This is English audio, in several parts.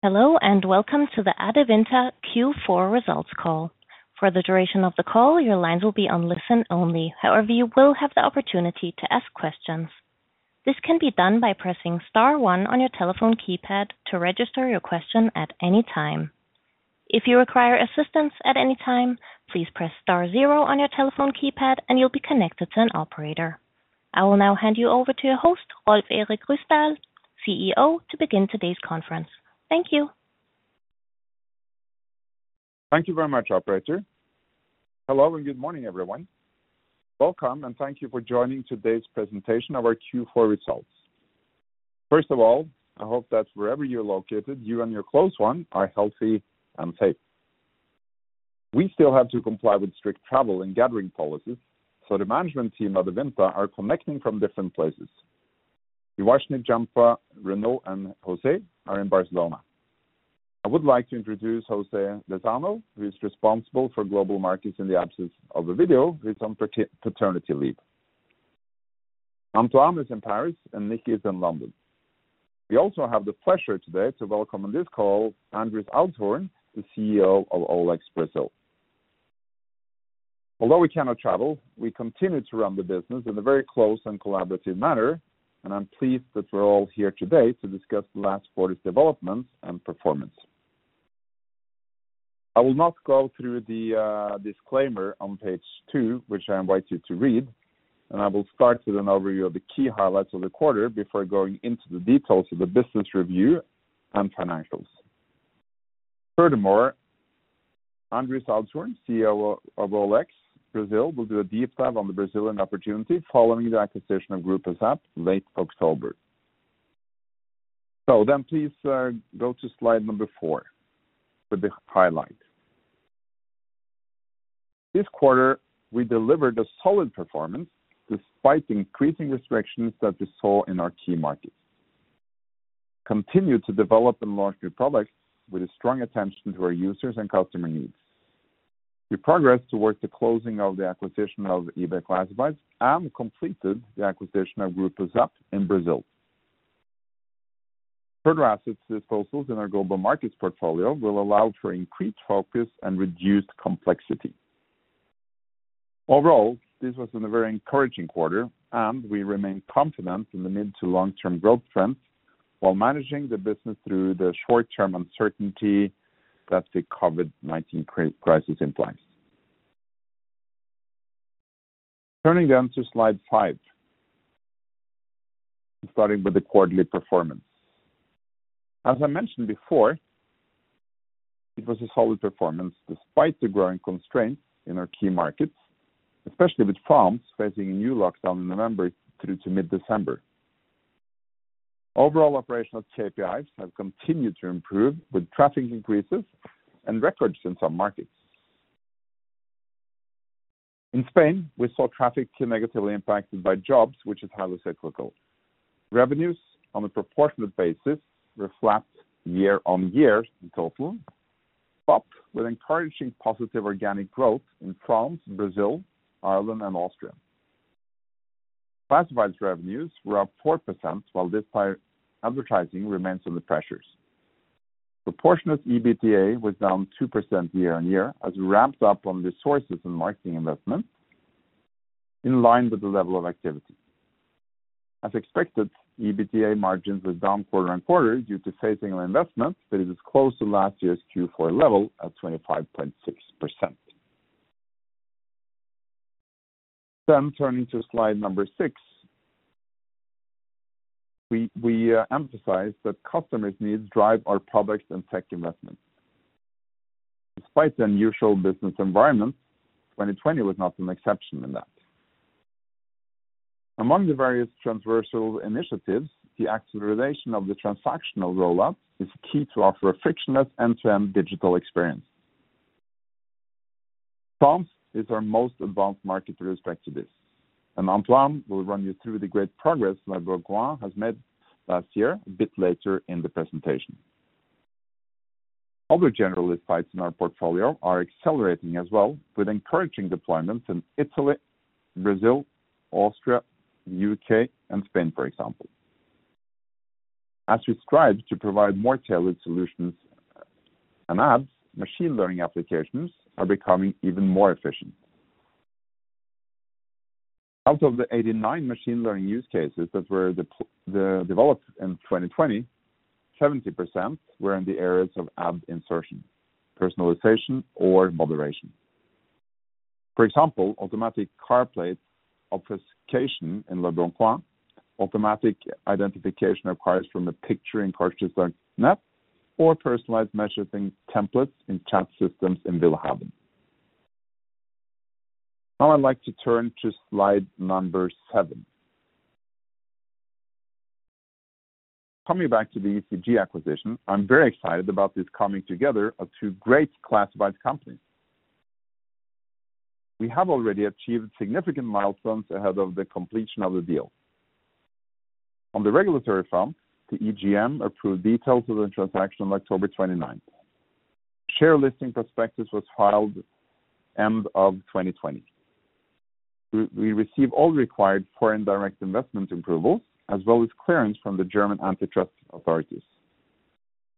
Hello, and welcome to the Adevinta Q4 results call. For the duration of the call, your lines will be on listen-only. However, you will have the opportunity to ask questions. This can be done by pressing star one on your telephone keypad to register your question at any time. If you require assistance at any time, please press star zero on your telephone keypad, and you'll be connected to an operator. I will now hand you over to your host, Rolv Erik Ryssdal, CEO, to begin today's conference. Thank you. Thank you very much, operator. Hello, and good morning, everyone. Welcome, and thank you for joining today's presentation of our Q4 results. First of all, I hope that wherever you're located, you and your close ones are healthy and safe. We still have to comply with strict travel and gathering policies, so the management team at Adevinta are connecting from different places. Uvashni, Gianpa, Renaud, and Jose are in Barcelona. I would like to introduce Jose Lozano, who is responsible for global markets in the absence of Oben, who is on paternity leave. Antoine is in Paris, and Nicki is in London. We also have the pleasure today to welcome on this call Andries Odendaal, the CEO of OLX Brazil. Although we cannot travel, we continue to run the business in a very close and collaborative manner, and I'm pleased that we're all here today to discuss the last quarter's developments and performance. I will not go through the disclaimer on page two, which I invite you to read, and I will start with an overview of the key highlights of the quarter before going into the details of the business review and financials. Furthermore, Andries Odendaal, CEO of OLX Brazil, will do a deep dive on the Brazilian opportunity following the acquisition of Grupo ZAP late October. Please go to slide number four for the highlight. This quarter, we delivered a solid performance despite the increasing restrictions that we saw in our key markets. We continued to develop and launch new products with a strong attention to our users and customer needs. We progress towards the closing of the acquisition of eBay Classifieds and completed the acquisition of Grupo ZAP in Brazil. Further assets disposals in our global markets portfolio will allow for increased focus and reduced complexity. Overall, this was a very encouraging quarter, and we remain confident in the mid to long-term growth trends while managing the business through the short-term uncertainty that the COVID-19 crisis implies. Turning to slide five, starting with the quarterly performance. As I mentioned before, it was a solid performance despite the growing constraints in our key markets, especially with France facing a new lockdown in November through to mid-December. Overall operational KPIs have continued to improve with traffic increases and records in some markets. In Spain, we saw traffic negatively impacted by InfoJobs, which is highly cyclical. Revenues on a proportionate basis were flat year-over-year in total, but with encouraging positive organic growth in France, Brazil, Ireland, and Austria. Classifieds revenues were up 4%, while display advertising remains under pressures. Proportionate EBITDA was down 2% year-over-year as we ramped up on resources and marketing investments in line with the level of activity. As expected, EBITDA margins were down quarter-over-quarter due to phasing of investments, but it is close to last year's Q4 level at 25.6%. Turning to slide number six. We emphasize that customers' needs drive our products and tech investments. Despite the unusual business environment, 2020 was not an exception in that. Among the various transversal initiatives, the acceleration of the transactional rollout is key to offer a frictionless end-to-end digital experience. France is our most advanced market with respect to this, and Antoine will run you through the great progress leboncoin has made last year a bit later in the presentation. Other generalist sites in our portfolio are accelerating as well, with encouraging deployments in Italy, Brazil, Austria, U.K., and Spain, for example. As we strive to provide more tailored solutions and ads, machine learning applications are becoming even more efficient. Out of the 89 machine learning use cases that were developed in 2020, 70% were in the areas of ad insertion, personalization, or moderation. For example, automatic car plate obfuscation in leboncoin, automatic identification of cars from a picture in Coches.net, or personalized messaging templates in chat systems in willhaben. Now I'd like to turn to slide number seven. Coming back to the eCG acquisition, I'm very excited about this coming together of two great classified companies. We have already achieved significant milestones ahead of the completion of the deal. On the regulatory front, the EGM approved details of the transaction on October 29th. Share listing prospectus was filed end of 2020. We receive all required foreign direct investment approvals, as well as clearance from the German antitrust authorities.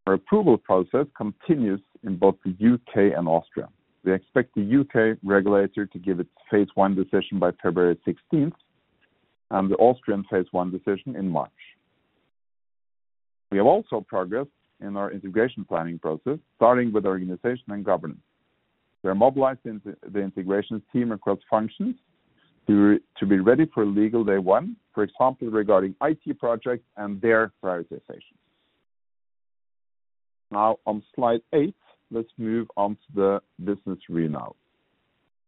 Our approval process continues in both the U.K. and Austria. We expect the U.K. regulator to give its phase one decision by February 16th, and the Austrian phase one decision in March. We have also progressed in our integration planning process, starting with our organization and governance. We are mobilized the integration team across functions to be ready for legal day one, for example, regarding IT projects and their prioritizations. On slide eight, let's move on to the business readout.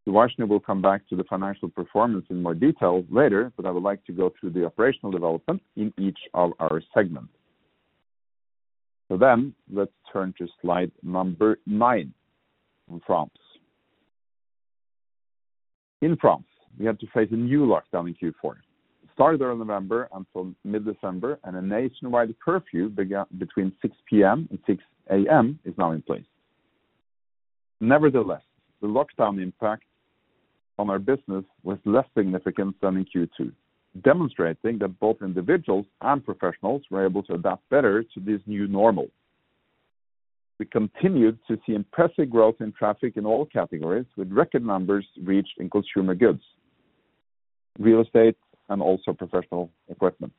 Uvashni will come back to the financial performance in more detail later, I would like to go through the operational development in each of our segments. Let's turn to slide number nine, France. In France, we had to face a new lockdown in Q4. It started there in November until mid-December, a nationwide curfew between 6:00 P.M. and 6:00 A.M. is now in place. Nevertheless, the lockdown impact on our business was less significant than in Q2, demonstrating that both individuals and professionals were able to adapt better to this new normal. We continued to see impressive growth in traffic in all categories, with record numbers reached in consumer goods, real estate, and also professional equipment.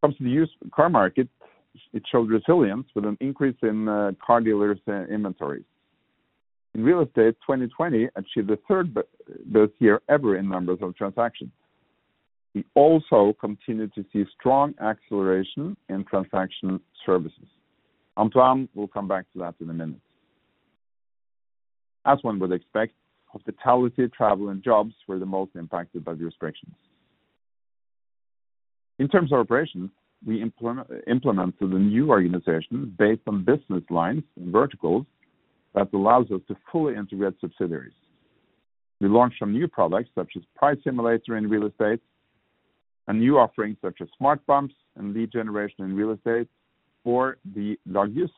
When it comes to the used car market, it showed resilience with an increase in car dealers' inventories. In real estate, 2020 achieved the third best year ever in numbers of transactions. We also continued to see strong acceleration in transactional services. Antoine will come back to that in a minute. As one would expect, hospitality, travel, and jobs were the most impacted by the restrictions. In terms of operations, we implemented a new organization based on business lines and verticals that allows us to fully integrate subsidiaries. We launched some new products, such as Price Simulator in real estate, and new offerings such as Smart Bumps and Lead Generation in real estate for the L'Argus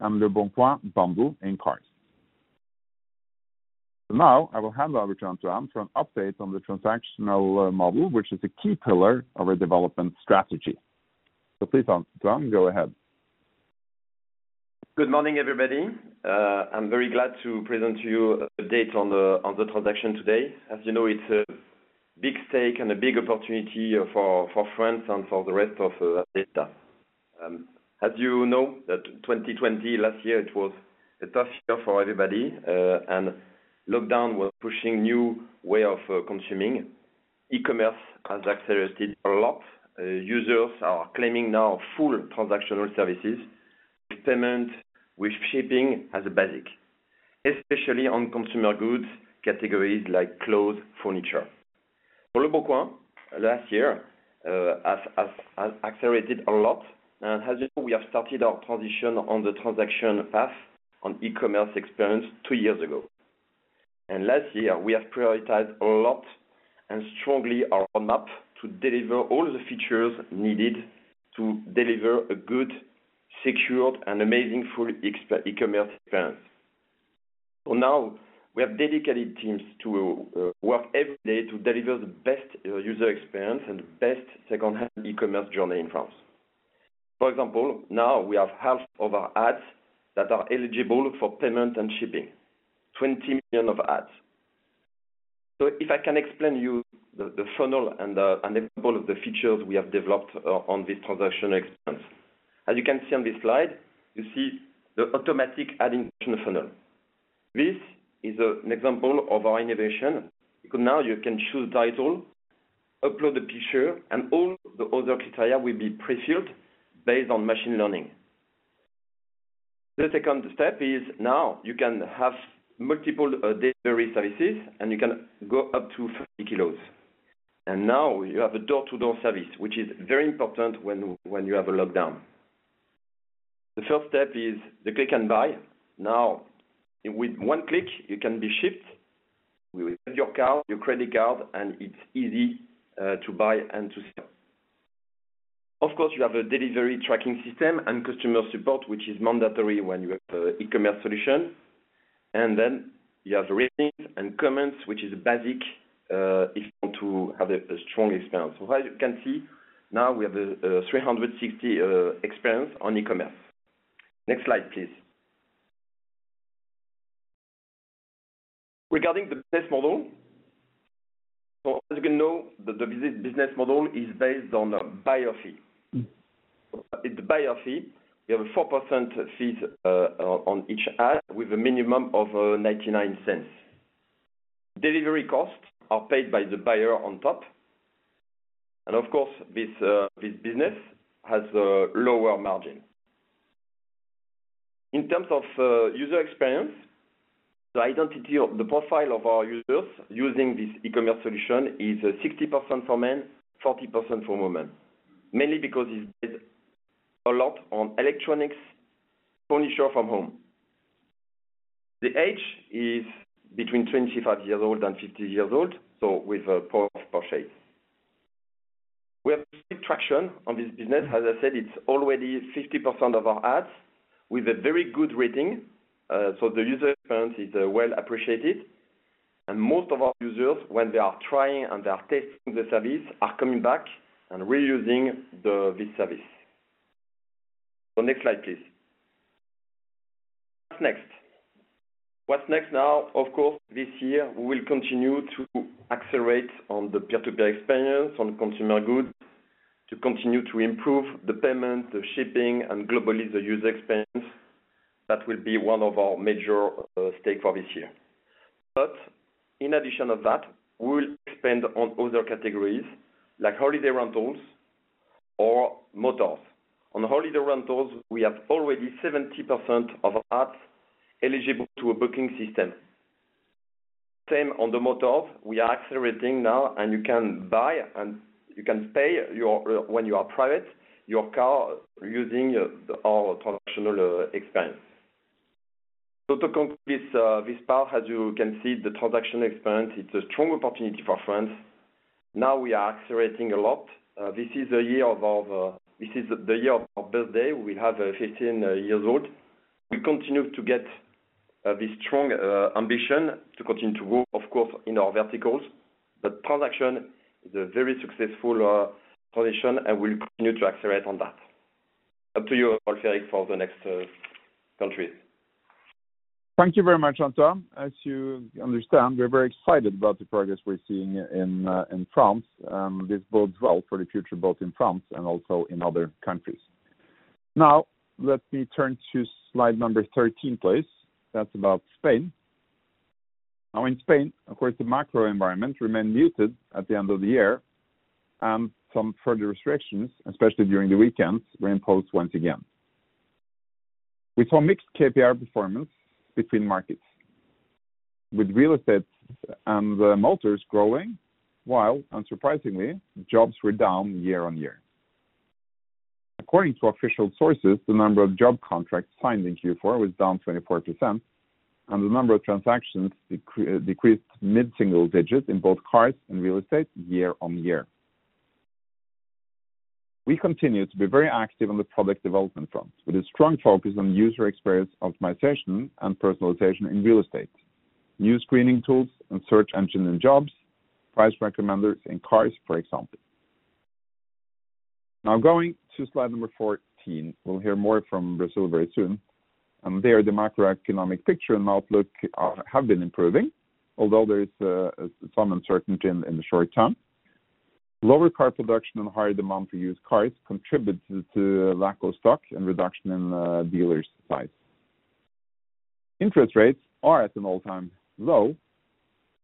and leboncoin Bundle in cars. Now, I will hand over to Antoine for an update on the transactional model, which is a key pillar of our development strategy. Please, Antoine, go ahead. Good morning, everybody. I'm very glad to present to you updates on the transaction today. As you know, it's a big stake and a big opportunity for France and for the rest of Adevinta. As you know, 2020, last year, it was a tough year for everybody. Lockdown was pushing new way of consuming. E-commerce has accelerated a lot. Users are claiming now full transactional services with payment, with shipping as a basic, especially on consumer goods categories like clothes, furniture. For leboncoin, last year, has accelerated a lot. As you know, we have started our transition on the transaction path on e-commerce experience two years ago. Last year, we have prioritized a lot and strongly our roadmap to deliver all the features needed to deliver a good, secured, and amazing full e-commerce experience. Now we have dedicated teams to work every day to deliver the best user experience and the best second-hand e-commerce journey in France. For example, now we have half of our ads that are eligible for payment and shipping, 20 million of ads. If I can explain you the funnel and the example of the features we have developed on this transactional experience. As you can see on this slide, you see the automatic ad insertion funnel. This is an example of our innovation. Now you can choose title, upload a picture, and all the other criteria will be pre-filled based on machine learning. The second step is now you can have multiple delivery services, and you can go up to 30 kilos. Now you have a door-to-door service, which is very important when you have a lockdown. The third step is the click and buy. Now with one click, you can be shipped. We will have your card, your credit card, and it's easy to buy and to sell. Of course, you have a delivery tracking system and customer support, which is mandatory when you have an e-commerce solution. You have ratings and comments, which is basic if you want to have a strong experience. As you can see, now we have a 360 experience on e-commerce. Next slide, please. Regarding the business model. As you can know, the business model is based on buyer fee. In the buyer fee, we have a 4% fees on each ad with a minimum of 0.99. Delivery costs are paid by the buyer on top. Of course, this business has a lower margin. In terms of user experience, the identity of the profile of our users using this e-commerce solution is 60% for men, 40% for women, mainly because it's based a lot on electronics, furniture from home. The age is between 25 years old and 50 years old, so with a power of purchase. We have good traction on this business. As I said, it's already 50% of our ads with a very good rating. The user experience is well appreciated, and most of our users, when they are trying and they are testing the service, are coming back and reusing this service. Next slide, please. What's next? What's next now, of course, this year, we will continue to accelerate on the peer-to-peer experience on consumer goods to continue to improve the payment, the shipping, and globally, the user experience. That will be one of our major stakes for this year. In addition to that, we will expand on other categories like holiday rentals or motors. On holiday rentals, we have already 70% of our ads eligible to a booking system. Same on the motors. We are accelerating now, and you can buy and you can pay, when you are private, your car using our transactional experience. To conclude this part, as you can see, the transaction experience, it's a strong opportunity for France. Now we are accelerating a lot. This is the year of our birthday. We have 15 years old. We continue to get this strong ambition to continue to grow, of course, in our verticals. Transaction is a very successful position, and we'll continue to accelerate on that. Up to you, Rolv Erik, for the next countries. Thank you very much, Antoine. As you understand, we're very excited about the progress we're seeing in France. This bodes well for the future, both in France and also in other countries. Let me turn to slide number 13, please. That's about Spain. In Spain, of course, the macro environment remained muted at the end of the year, and some further restrictions, especially during the weekends, were imposed once again. We saw mixed KPI performance between markets, with real estate and motors growing, while unsurprisingly, jobs were down year-on-year. According to official sources, the number of job contracts signed in Q4 was down 24%, and the number of transactions decreased mid-single digits in both cars and real estate year-on-year. We continue to be very active on the product development front, with a strong focus on user experience optimization and personalization in real estate, new screening tools and search engine in jobs, price recommenders in cars, for example. Now, going to slide number 14. We'll hear more from Brazil very soon, and there, the macroeconomic picture and outlook have been improving, although there is some uncertainty in the short term. Lower car production and higher demand for used cars contributed to lack of stock and reduction in dealers' size. Interest rates are at an all-time low,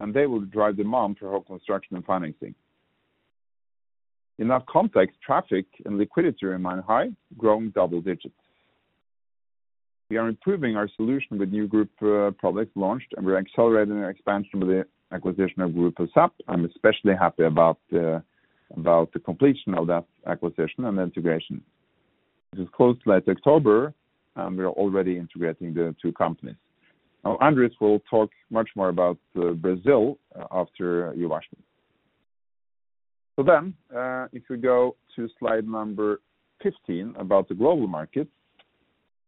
and they will drive demand for home construction and financing. In that context, traffic and liquidity remain high, growing double digits. We are improving our solution with new group products launched, and we're accelerating our expansion with the acquisition of Grupo ZAP. I'm especially happy about the completion of that acquisition and the integration. It was closed last October, and we are already integrating the two companies. Andries will talk much more about Brazil after you, Vasu. If we go to slide number 15 about the global markets.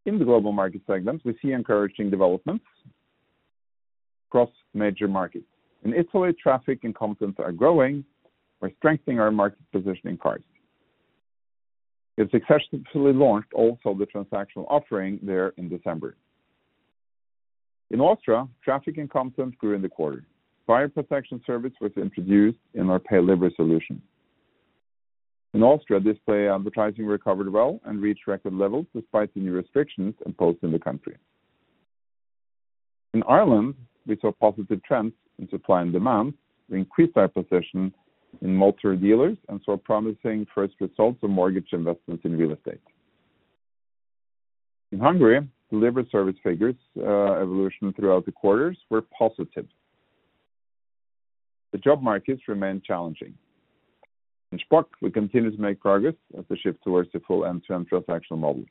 In the global market segments, we see encouraging developments across major markets. In Italy, traffic and content are growing. We're strengthening our market position in cars. We successfully launched also the transactional offering there in December. In Austria, traffic and content grew in the quarter. Buyer protection service was introduced in our Paylivery solution. In Austria, display advertising recovered well and reached record levels despite the new restrictions imposed in the country. In Ireland, we saw positive trends in supply and demand. We increased our position in motor dealers and saw promising first results on mortgage investments in real estate. In Hungary, delivery service figures evolution throughout the quarters were positive. The job markets remained challenging. In Shpock, we continue to make progress as we shift towards the full end-to-end transactional model.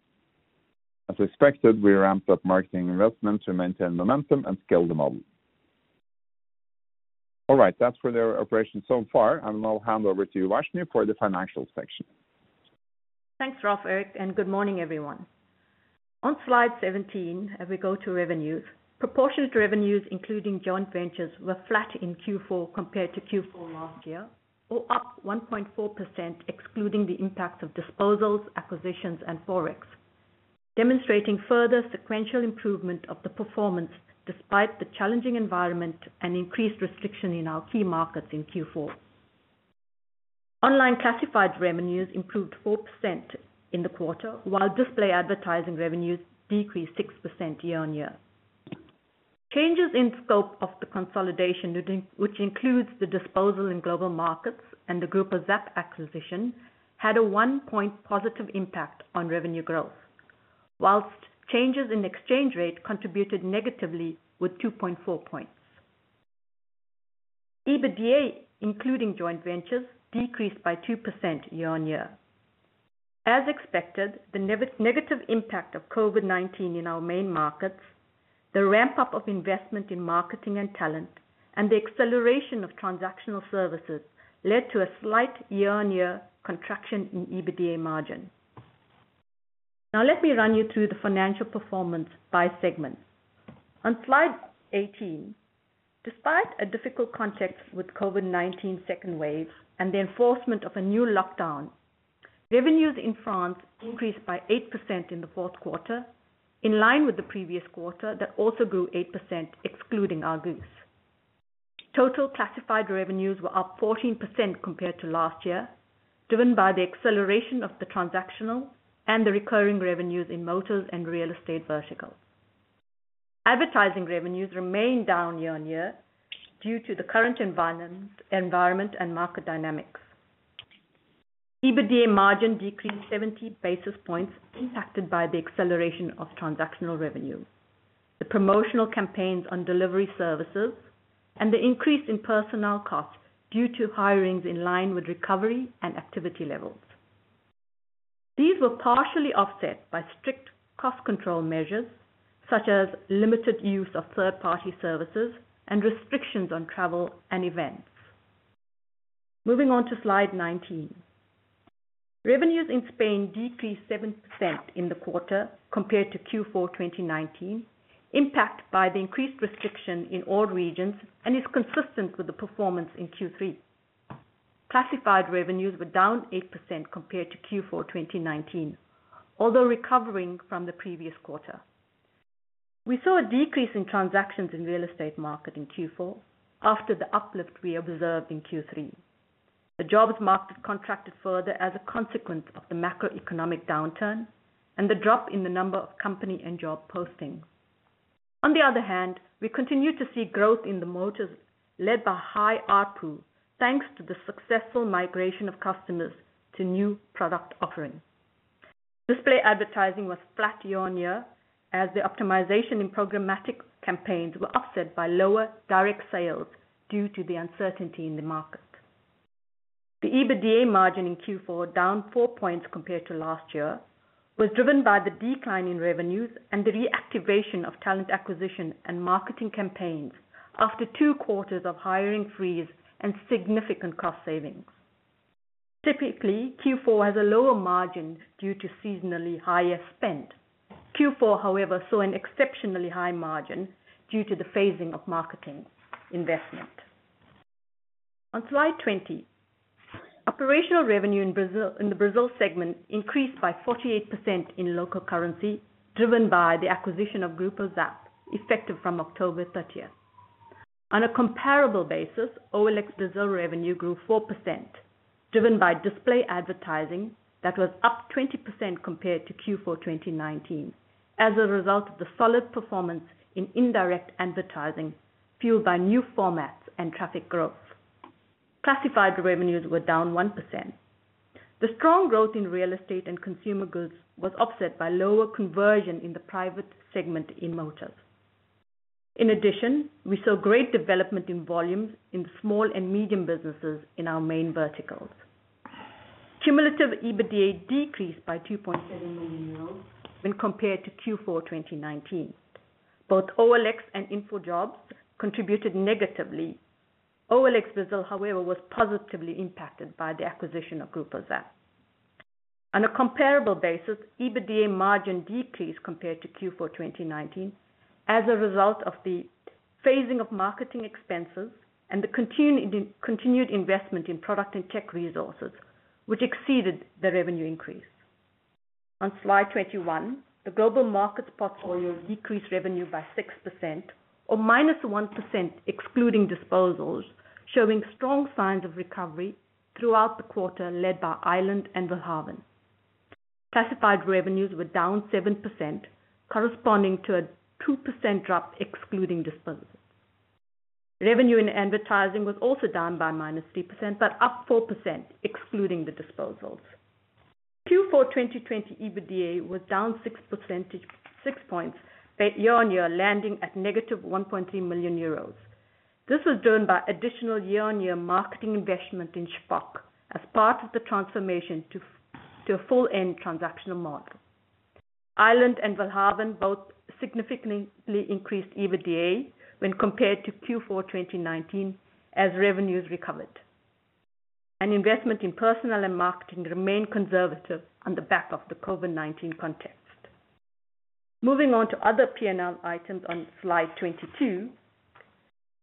As expected, we ramped up marketing investments to maintain momentum and scale the model. All right. That's for their operation so far, and I'll hand over to Vasu for the financial section. Thanks, Rolv Erik, and good morning, everyone. On slide 17, as we go to revenues, proportionate revenues including joint ventures, were flat in Q4 compared to Q4 last year, or up 1.4% excluding the impact of disposals, acquisitions, and Forex, demonstrating further sequential improvement of the performance despite the challenging environment and increased restriction in our key markets in Q4. Online classified revenues improved 4% in the quarter, while display advertising revenues decreased 6% year-on-year. Changes in scope of the consolidation, which includes the disposal in global markets and the Grupo ZAP acquisition, had a 1-point positive impact on revenue growth. Whilst changes in exchange rate contributed negatively with 2.4 points. EBITDA, including joint ventures, decreased by 2% year-on-year. As expected, the negative impact of COVID-19 in our main markets, the ramp-up of investment in marketing and talent, and the acceleration of transactional services led to a slight year-on-year contraction in EBITDA margin. Let me run you through the financial performance by segment. On slide 18, despite a difficult context with COVID-19 second wave and the enforcement of a new lockdown, revenues in France increased by 8% in the fourth quarter, in line with the previous quarter, that also grew 8%, excluding Argus. Total classified revenues were up 14% compared to last year, driven by the acceleration of the transactional and the recurring revenues in motors and real estate verticals. Advertising revenues remained down year-on-year due to the current environment and market dynamics. EBITDA margin decreased 70 basis points impacted by the acceleration of transactional revenue, the promotional campaigns on delivery services, and the increase in personnel costs due to hirings in line with recovery and activity levels. These were partially offset by strict cost control measures, such as limited use of third-party services and restrictions on travel and events. Moving on to slide 19. Revenues in Spain decreased 7% in the quarter compared to Q4 2019, impacted by the increased restriction in all regions and is consistent with the performance in Q3. Classified revenues were down 8% compared to Q4 2019, although recovering from the previous quarter. We saw a decrease in transactions in real estate market in Q4 after the uplift we observed in Q3. The jobs market contracted further as a consequence of the macroeconomic downturn and the drop in the number of company and job postings. On the other hand, we continued to see growth in the motors led by high ARPU, thanks to the successful migration of customers to new product offerings. Display advertising was flat year-on-year as the optimization in programmatic campaigns were offset by lower direct sales due to the uncertainty in the market. The EBITDA margin in Q4, down four points compared to last year, was driven by the decline in revenues and the reactivation of talent acquisition and marketing campaigns after two quarters of hiring freeze and significant cost savings. Typically, Q4 has a lower margin due to seasonally higher spend. Q4, however, saw an exceptionally high margin due to the phasing of marketing investment. On slide 20, operational revenue in the Brazil segment increased by 48% in local currency, driven by the acquisition of Grupo ZAP, effective from October 30th. On a comparable basis, OLX Brazil revenue grew 4%, driven by display advertising that was up 20% compared to Q4 2019 as a result of the solid performance in indirect advertising fueled by new formats and traffic growth. Classified revenues were down 1%. The strong growth in real estate and consumer goods was offset by lower conversion in the private segment in motors. In addition, we saw great development in volumes in small and medium businesses in our main verticals. Cumulative EBITDA decreased by 2.7 million euros when compared to Q4 2019. Both OLX and InfoJobs contributed negatively. OLX Brazil, however, was positively impacted by the acquisition of Grupo ZAP. On a comparable basis, EBITDA margin decreased compared to Q4 2019 as a result of the phasing of marketing expenses and the continued investment in product and tech resources, which exceeded the revenue increase. On slide 21, the global market portfolio decreased revenue by 6%, or minus 1% excluding disposals, showing strong signs of recovery throughout the quarter led by Ireland and Willhaben. Classified revenues were down 7%, corresponding to a 2% drop excluding disposals. Revenue in advertising was also down by minus 3%, up 4% excluding the disposals. Q4 2020 EBITDA was down 6 percentage points year-on-year, landing at negative 1.3 million euros. This was driven by additional year-on-year marketing investment in Shpock as part of the transformation to a full end-to-end transactional model. Ireland and Willhaben both significantly increased EBITDA when compared to Q4 2019 as revenues recovered. Investment in personnel and marketing remained conservative on the back of the COVID-19 context. Moving on to other P&L items on slide 22.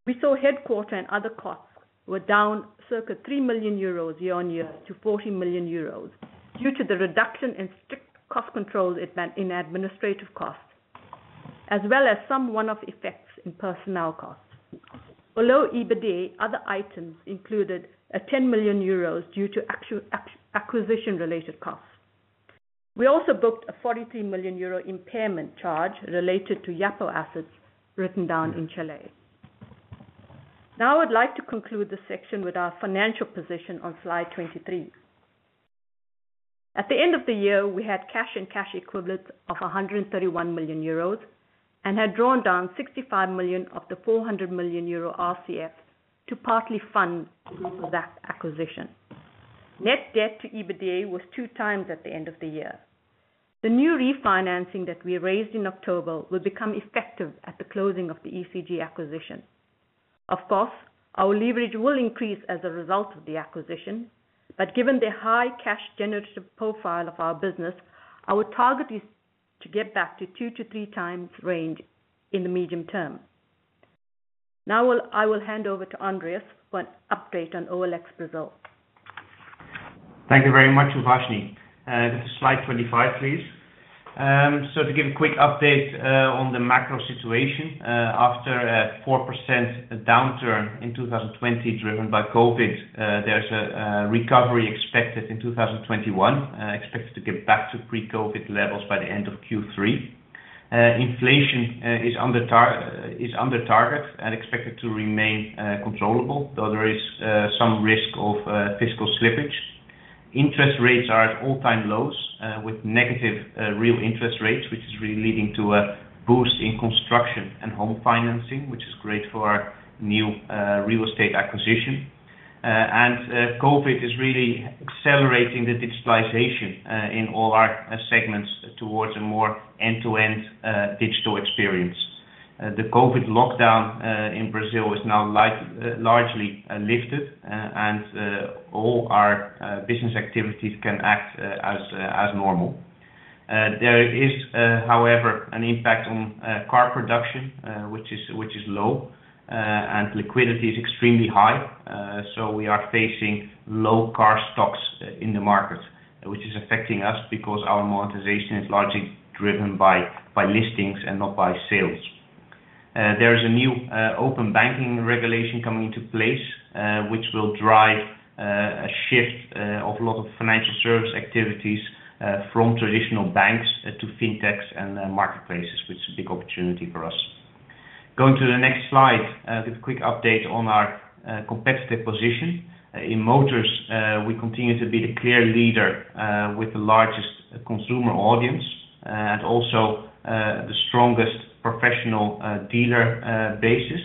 We saw headquarters and other costs were down circa 3 million euros year-on-year to 40 million euros due to the reduction in strict cost controls in administrative costs, as well as some one-off effects in personnel costs. Below EBITDA, other items included 10 million euros due to acquisition-related costs. We also booked a 43 million euro impairment charge related to Yapo assets written down in Chile. I would like to conclude this section with our financial position on slide 23. At the end of the year, we had cash and cash equivalents of 131 million euros and had drawn down 65 million of the 400 million euro RCF to partly fund that acquisition. Net debt to EBITDA was two times at the end of the year. The new refinancing that we raised in October will become effective at the closing of the eCG acquisition. Of course, our leverage will increase as a result of the acquisition, but given the high cash generative profile of our business, our target is to get back to two to three times range in the medium term. I will hand over to Andries for an update on OLX Brazil. Thank you very much, Uvashni. Slide 25, please. To give a quick update on the macro situation. After a 4% downturn in 2020 driven by COVID-19, there's a recovery expected in 2021, expected to get back to pre-COVID-19 levels by the end of Q3. Inflation is under target and expected to remain controllable, though there is some risk of fiscal slippage. Interest rates are at all-time lows, with negative real interest rates, which is really leading to a boost in construction and home financing, which is great for our new real estate acquisition. COVID-19 is really accelerating the digitalization in all our segments towards a more end-to-end digital experience. The COVID-19 lockdown in Brazil is now largely lifted and all our business activities can act as normal. There is, however, an impact on car production, which is low, and liquidity is extremely high, so we are facing low car stocks in the market, which is affecting us because our monetization is largely driven by listings and not by sales. There is a new open banking regulation coming into place, which will drive a shift of a lot of financial service activities from traditional banks to fintechs and marketplaces, which is a big opportunity for us. Going to the next slide, a quick update on our competitive position. In motors, we continue to be the clear leader with the largest consumer audience, and also the strongest professional dealer basis.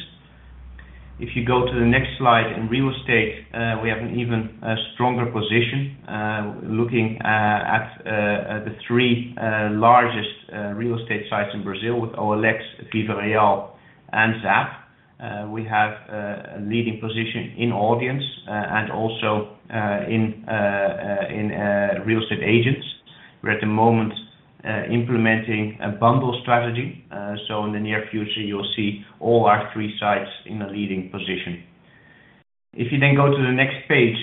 If you go to the next slide, in real estate, we have an even stronger position, looking at the three largest real estate sites in Brazil with OLX, VivaReal, and ZAP. We have a leading position in audience, and also in real estate agents. We're at the moment implementing a bundle strategy, so in the near future, you'll see all our three sites in a leading position. If you go to the next page,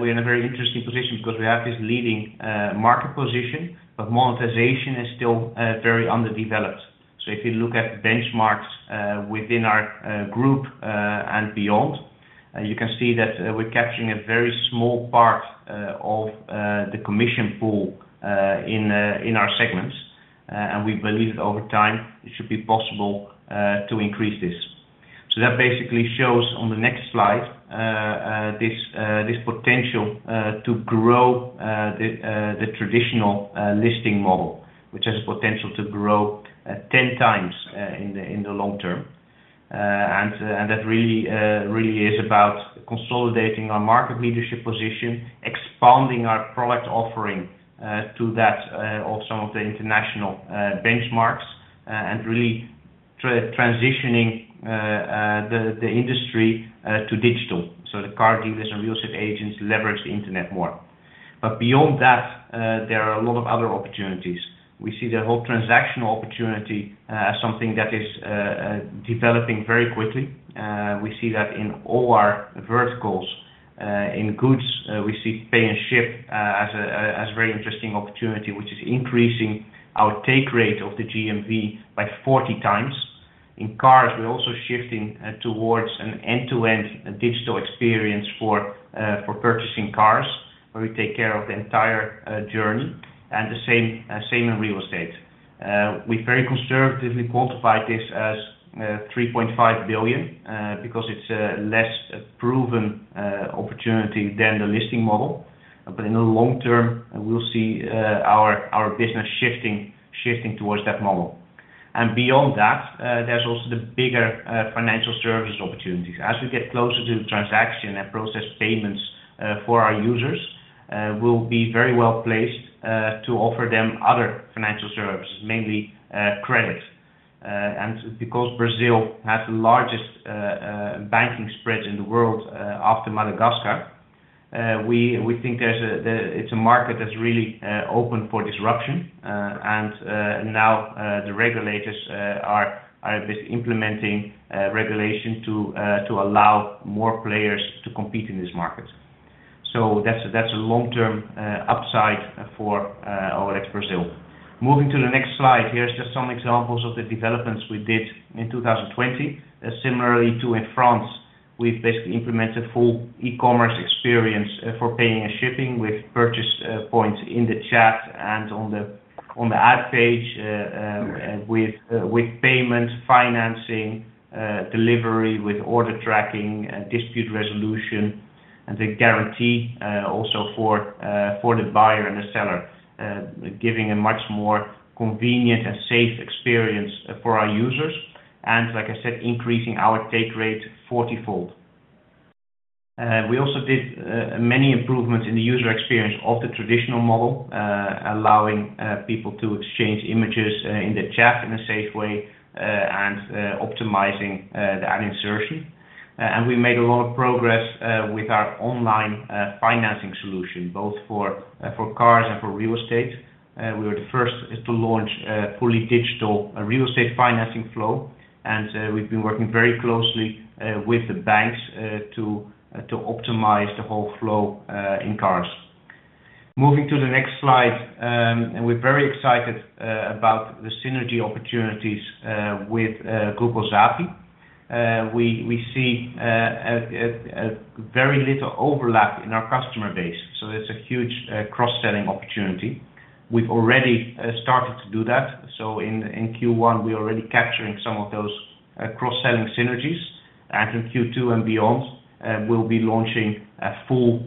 we're in a very interesting position because we have this leading market position, but monetization is still very underdeveloped. If you look at benchmarks within our group and beyond, you can see that we're capturing a very small part of the commission pool in our segments. We believe that over time, it should be possible to increase this. That basically shows on the next slide, this potential to grow the traditional listing model, which has potential to grow 10 times in the long term. That really is about consolidating our market leadership position, expanding our product offering to that of some of the international benchmarks, and really transitioning the industry to digital, so the car dealers and real estate agents leverage the internet more. Beyond that, there are a lot of other opportunities. We see the whole transactional opportunity as something that is developing very quickly. We see that in all our verticals. In goods, we see Paylivery as a very interesting opportunity, which is increasing our take rate of the GMV by 40 times. In cars, we're also shifting towards an end-to-end digital experience for purchasing cars, where we take care of the entire journey. The same in real estate. We very conservatively quantify this as 3.5 billion, because it's a less proven opportunity than the listing model. In the long term, we'll see our business shifting towards that model. Beyond that, there's also the bigger financial services opportunities. As we get closer to the transaction and process payments for our users, we'll be very well placed to offer them other financial services, mainly credit. Because Brazil has the largest banking spread in the world after Madagascar, we think it's a market that's really open for disruption. Now, the regulators are implementing regulation to allow more players to compete in this market. That's a long-term upside for OLX Brazil. Moving to the next slide, here's just some examples of the developments we did in 2020. Similarly to in France, we've basically implemented full e-commerce experience for paying and shipping with purchase points in the chat and on the ad page with payment financing, delivery with order tracking and dispute resolution, and the guarantee also for the buyer and the seller, giving a much more convenient and safe experience for our users. Like I said, increasing our take rate fortyfold. We also did many improvements in the user experience of the traditional model, allowing people to exchange images in the chat in a safe way, and optimizing the ad insertion. We made a lot of progress with our online financing solution, both for cars and for real estate. We were the first to launch a fully digital real estate financing flow, and we've been working very closely with the banks to optimize the whole flow in cars. Moving to the next slide, we're very excited about the synergy opportunities with Grupo ZAP. We see very little overlap in our customer base, so it's a huge cross-selling opportunity. We've already started to do that. In Q1, we're already capturing some of those cross-selling synergies. In Q2 and beyond, we'll be launching a full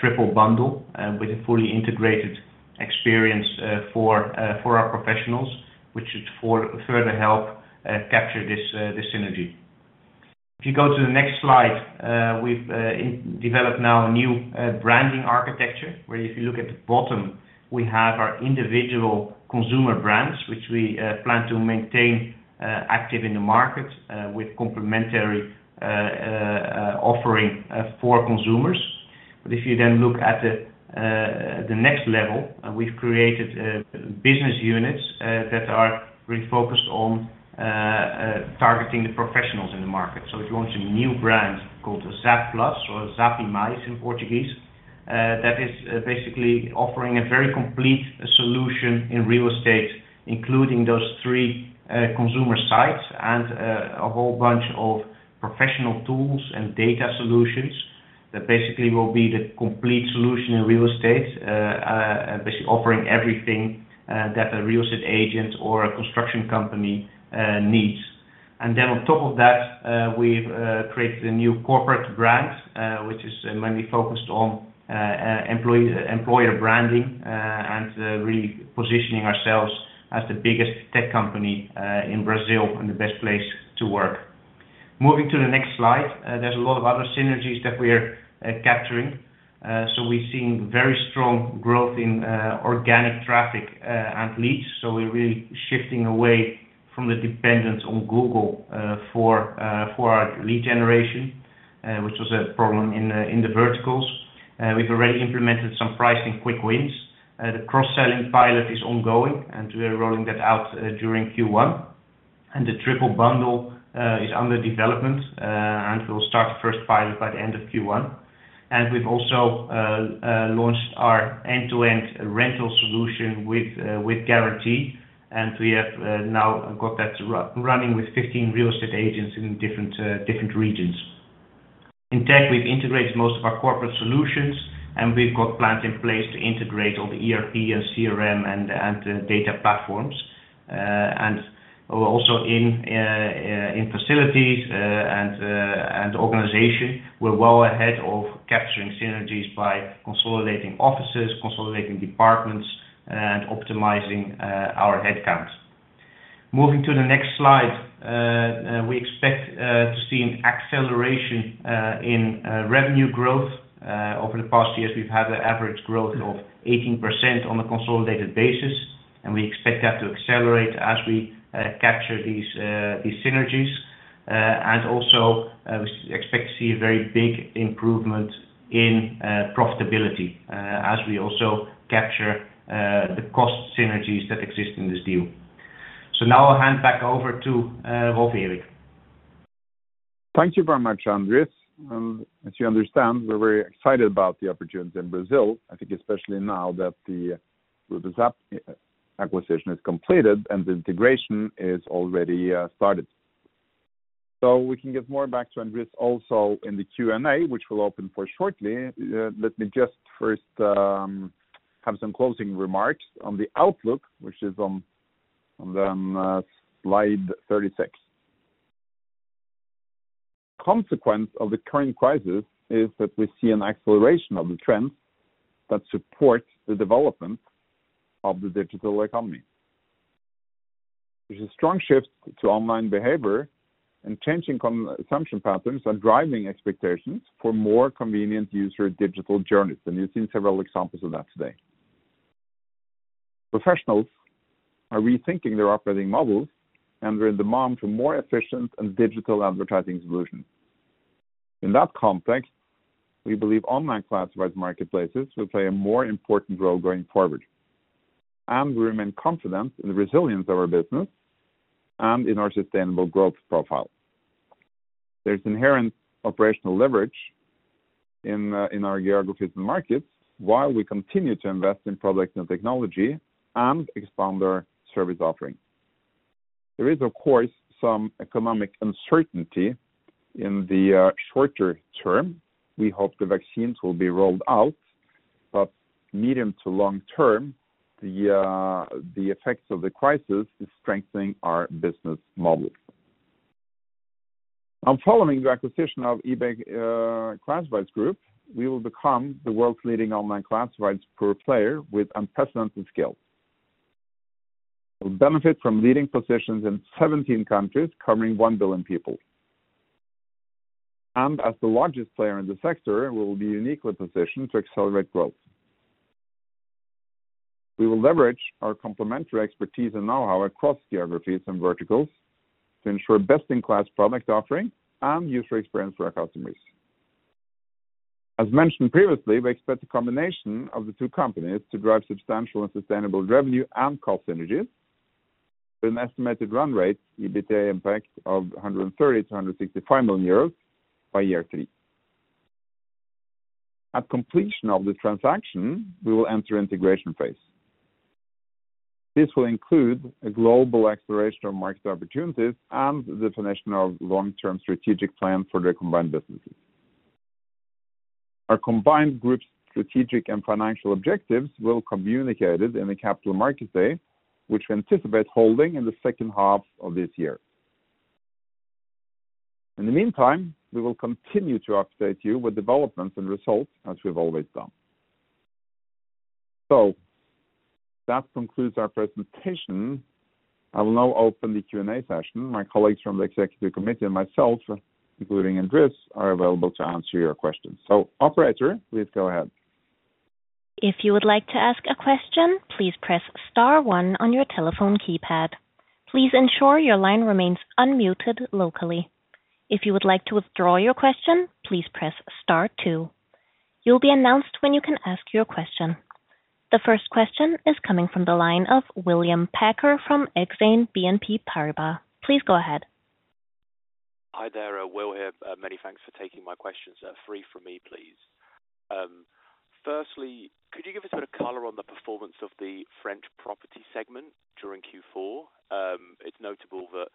triple bundle with a fully integrated experience for our professionals, which should further help capture this synergy. If you go to the next slide, we've developed now a new branding architecture, where if you look at the bottom, we have our individual consumer brands, which we plan to maintain active in the market with complementary offering for consumers. If you then look at the next level, we've created business units that are really focused on targeting the professionals in the market. We've launched a new brand called Zap Plus or ZAP Mais in Portuguese. That is basically offering a very complete solution in real estate, including those three consumer sites and a whole bunch of professional tools and data solutions that basically will be the complete solution in real estate. Basically offering everything that a real estate agent or a construction company needs. On top of that, we've created a new corporate brand, which is mainly focused on employer branding and really positioning ourselves as the biggest tech company in Brazil and the best place to work. Moving to the next slide, there's a lot of other synergies that we are capturing. We've seen very strong growth in organic traffic and leads. We're really shifting away from the dependence on Google for our lead generation, which was a problem in the verticals. We've already implemented some pricing quick wins. The cross-selling pilot is ongoing, we are rolling that out during Q1. The triple bundle is under development, we'll start the first pilot by the end of Q1. We've also launched our end-to-end rental solution with guarantee, we have now got that running with 15 real estate agents in different regions. In tech, we've integrated most of our corporate solutions, we've got plans in place to integrate all the ERP and CRM and data platforms. Also in facilities and organization, we're well ahead of capturing synergies by consolidating offices, consolidating departments, and optimizing our headcount. Moving to the next slide, we expect to see an acceleration in revenue growth. Over the past years, we've had an average growth of 18% on a consolidated basis, and we expect that to accelerate as we capture these synergies. Also, we expect to see a very big improvement in profitability as we also capture the cost synergies that exist in this deal. Now I'll hand back over to Rolv Erik. Thank you very much, Andries. As you understand, we're very excited about the opportunities in Brazil. I think especially now that the Grupo ZAP acquisition is completed and the integration is already started. We can get more back to Andries also in the Q&A, which we'll open for shortly. Let me just first have some closing remarks on the outlook, which is on slide 36. Consequence of the current crisis is that we see an acceleration of the trends that support the development of the digital economy. There's a strong shift to online behavior and changing consumption patterns are driving expectations for more convenient user digital journeys, and you've seen several examples of that today. Professionals are rethinking their operating models, and there's demand for more efficient and digital advertising solutions. In that context, we believe online classifieds marketplaces will play a more important role going forward, and we remain confident in the resilience of our business and in our sustainable growth profile. There's inherent operational leverage in our geographies and markets while we continue to invest in product, new technology, and expand our service offering. There is, of course, some economic uncertainty in the shorter term. We hope the vaccines will be rolled out, but medium to long term, the effects of the crisis is strengthening our business model. Following the acquisition of eBay Classifieds Group, we will become the world's leading online classifieds group player with unprecedented scale. We'll benefit from leading positions in 17 countries, covering 1 billion people. As the largest player in the sector, we will be uniquely positioned to accelerate growth. We will leverage our complementary expertise and know-how across geographies and verticals to ensure best-in-class product offering and user experience for our customers. As mentioned previously, we expect the combination of the two companies to drive substantial and sustainable revenue and cost synergies with an estimated run rate EBITDA impact of 130 million-165 million euros by year three. At completion of the transaction, we will enter integration phase. This will include a global exploration of market opportunities and the definition of long-term strategic plans for the combined businesses. Our combined group's strategic and financial objectives will communicated in the Capital Markets Day, which we anticipate holding in the second half of this year. In the meantime, we will continue to update you with developments and results as we've always done. That concludes our presentation. I will now open the Q&A session. My colleagues from the Executive Committee and myself, including Andries, are available to answer your questions. Operator, please go ahead. The first question is coming from the line of William Packer from Exane BNP Paribas. Please go ahead. Hi there. William here. Many thanks for taking my questions. Three from me, please. Firstly, could you give a sort of color on the performance of the French property segment during Q4? It's notable that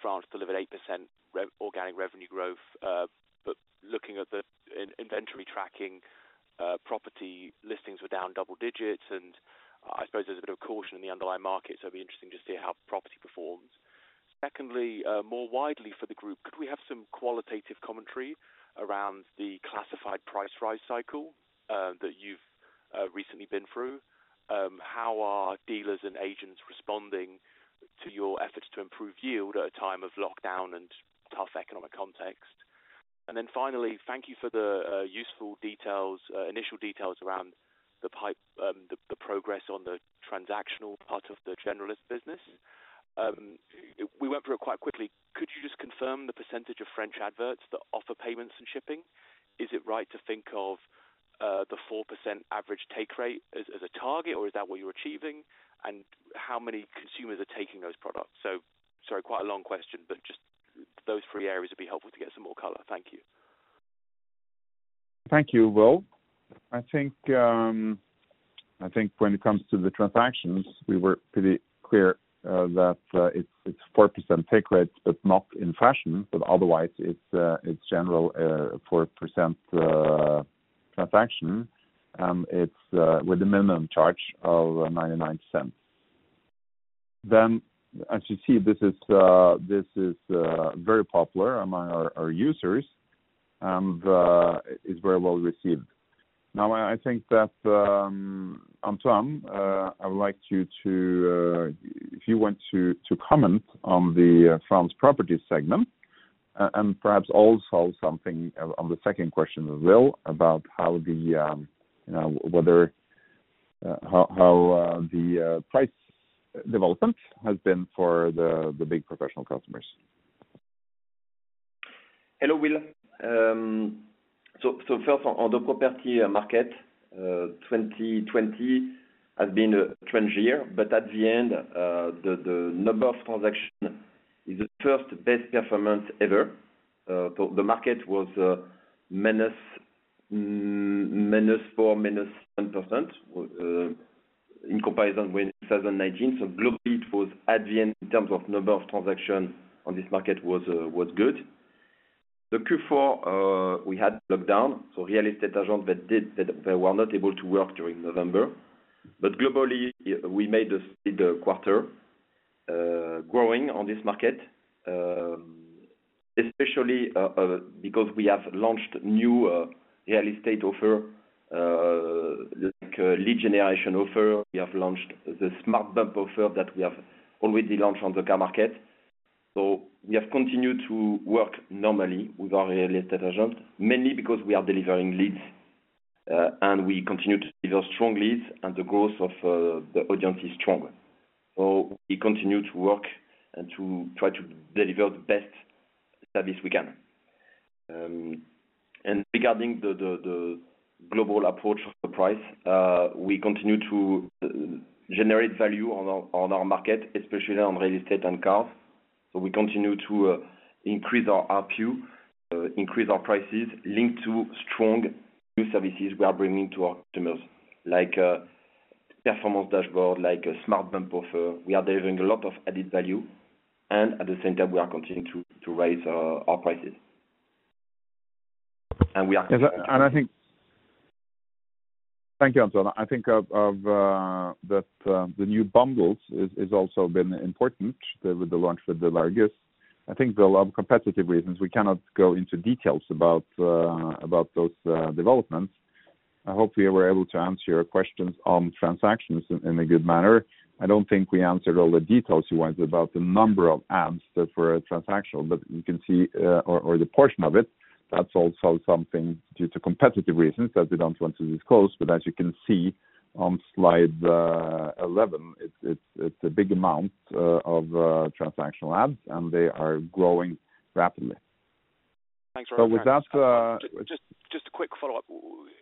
France delivered 8% organic revenue growth, but looking at the inventory tracking, property listings were down double digits, and I suppose there's a bit of caution in the underlying market, so it'll be interesting to see how property performs. Secondly, more widely for the group, could we have some qualitative commentary around the classified price rise cycle that you've recently been through? How are dealers and agents responding to your efforts to improve yield at a time of lockdown and tough economic context? Finally, thank you for the useful initial details around the progress on the transactional part of the generalist business. We went through it quite quickly. Could you just confirm the percentage of French adverts that offer payments and shipping? Is it right to think of the 4% average take rate as a target, or is that what you're achieving? How many consumers are taking those products? Sorry, quite a long question, but just those three areas would be helpful to get some more color. Thank you. Thank you, Will. I think when it comes to the transactions, we were pretty clear that it's 4% take rate, but not in fashion. Otherwise, it's general 4% transaction, and it's with a minimum charge of 0.99. As you see, this is very popular among our users and is very well received. I think that, Antoine, I would like you to If you want to comment on the France property segment and perhaps also something on the second question as well, about how the price development has been for the big professional customers. Hello, Will. First on the property market, 2020 has been a strange year, but at the end, the number of transactions is the first best performance ever. The market was minus 4%, minus 10% in comparison with 2019. Globally, it was at the end in terms of number of transactions on this market was good. The Q4, we had lockdown, real estate agent, they were not able to work during November. Globally, we made a steady quarter, growing on this market, especially because we have launched new real estate offer, like a lead generation offer. We have launched the Smart Bumps offer that we have already launched on the car market. We have continued to work normally with our real estate agent, mainly because we are delivering leads, and we continue to deliver strong leads and the growth of the audience is strong. We continue to work and to try to deliver the best service we can. Regarding the global approach of the price, we continue to generate value on our market, especially on real estate and cars. We continue to increase our ARPU, increase our prices linked to strong new services we are bringing to our customers, like performance dashboard, like a Smart Bumps offer. We are delivering a lot of added value, and at the same time, we are continuing to raise our prices. Thank you, Antoine. I think that the new bundles is also been important with the launch with L'Argus. I think there are a lot of competitive reasons we cannot go into details about those developments. I hope we were able to answer your questions on transactions in a good manner. I don't think we answered all the details you wanted about the number of ads that were transactional, but you can see or the portion of it. That's also something due to competitive reasons that we don't want to disclose. As you can see on slide 11, it's a big amount of transactional ads, and they are growing rapidly. Thanks very much. Just a quick follow-up.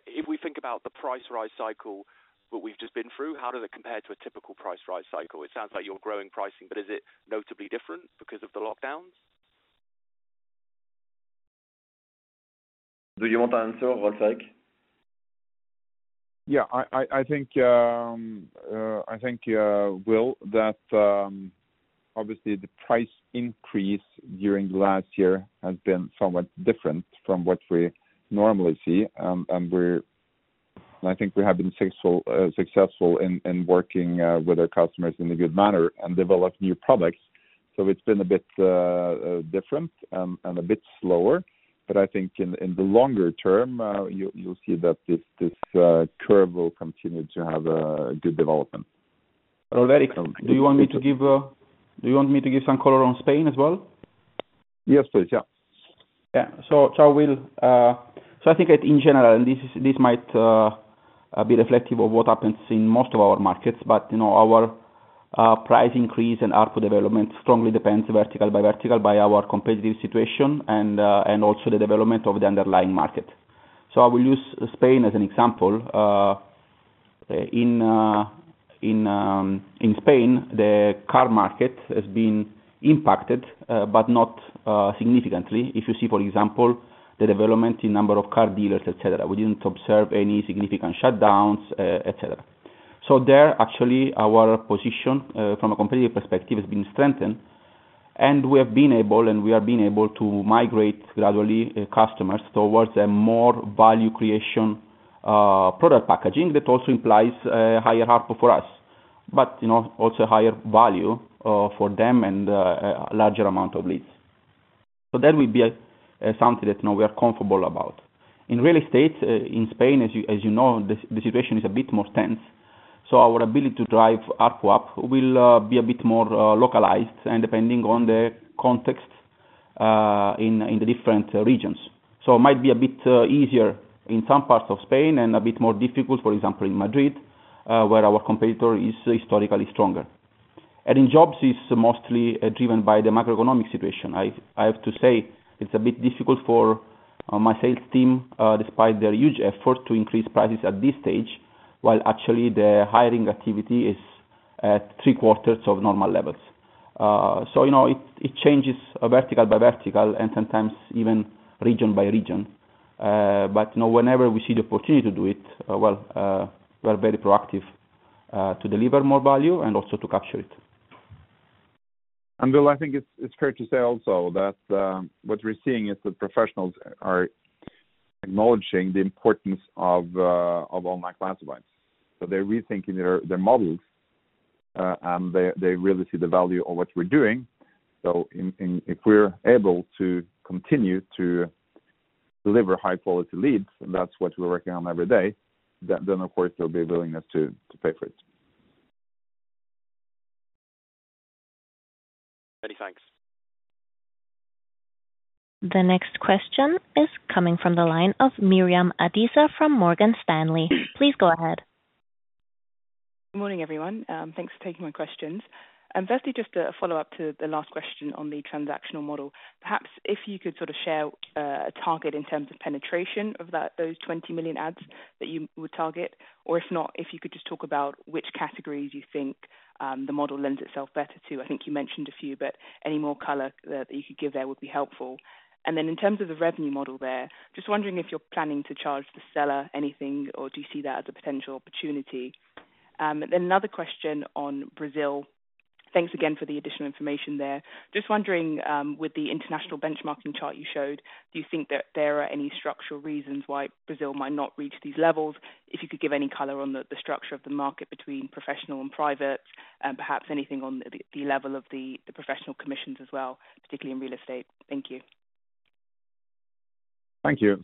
If we think about the price rise cycle that we've just been through, how does it compare to a typical price rise cycle? It sounds like you're growing pricing, but is it notably different because of the lockdowns? Do you want to answer, Rolv Erik? Yeah. I think, Will, that obviously the price increase during last year has been somewhat different from what we normally see. I think we have been successful in working with our customers in a good manner and develop new products. It's been a bit different and a bit slower. I think in the longer term, you'll see that this curve will continue to have a good development. Rolv Erik, do you want me to give some color on Spain as well? Yes, please. Yeah. Yeah. I think in general, this might be reflective of what happens in most of our markets. Our price increase and ARPU development strongly depends vertical by vertical by our competitive situation and also the development of the underlying market. I will use Spain as an example. In Spain, the car market has been impacted, but not significantly. If you see, for example, the development in number of car dealers, et cetera. We didn't observe any significant shutdowns, et cetera. There, actually, our position, from a competitive perspective, has been strengthened, and we have been able, and we are being able to migrate gradually customers towards a more value creation product packaging that also implies a higher ARPU for us. Also higher value for them and a larger amount of leads. That will be something that we are comfortable about. In real estate in Spain, as you know, the situation is a bit more tense. Our ability to drive ARPU up will be a bit more localized and depending on the context in the different regions. It might be a bit easier in some parts of Spain and a bit more difficult, for example, in Madrid, where our competitor is historically stronger. In jobs, it's mostly driven by the macroeconomic situation. I have to say, it's a bit difficult for my sales team, despite their huge effort to increase prices at this stage, while actually the hiring activity is at three-quarters of normal levels. It changes vertical by vertical and sometimes even region by region. Whenever we see the opportunity to do it, we are very proactive to deliver more value and also to capture it. Will, I think it's fair to say also that what we're seeing is the professionals are acknowledging the importance of online classifieds. They're rethinking their models, and they really see the value of what we're doing. If we're able to continue to deliver high-quality leads, and that's what we're working on every day, then, of course, there'll be a willingness to pay for it. Many thanks. The next question is coming from the line of Miriam Adisa from Morgan Stanley. Please go ahead. Good morning, everyone. Thanks for taking my questions. Firstly, just a follow-up to the last question on the transactional model. Perhaps if you could sort of share a target in terms of penetration of those 20 million ads that you would target, or if not, if you could just talk about which categories you think the model lends itself better to. I think you mentioned a few, but any more color that you could give there would be helpful. In terms of the revenue model there, just wondering if you're planning to charge the seller anything or do you see that as a potential opportunity? Another question on Brazil. Thanks again for the additional information there. Just wondering, with the international benchmarking chart you showed, do you think that there are any structural reasons why Brazil might not reach these levels? If you could give any color on the structure of the market between professional and private, perhaps anything on the level of the professional commissions as well, particularly in real estate. Thank you. Thank you.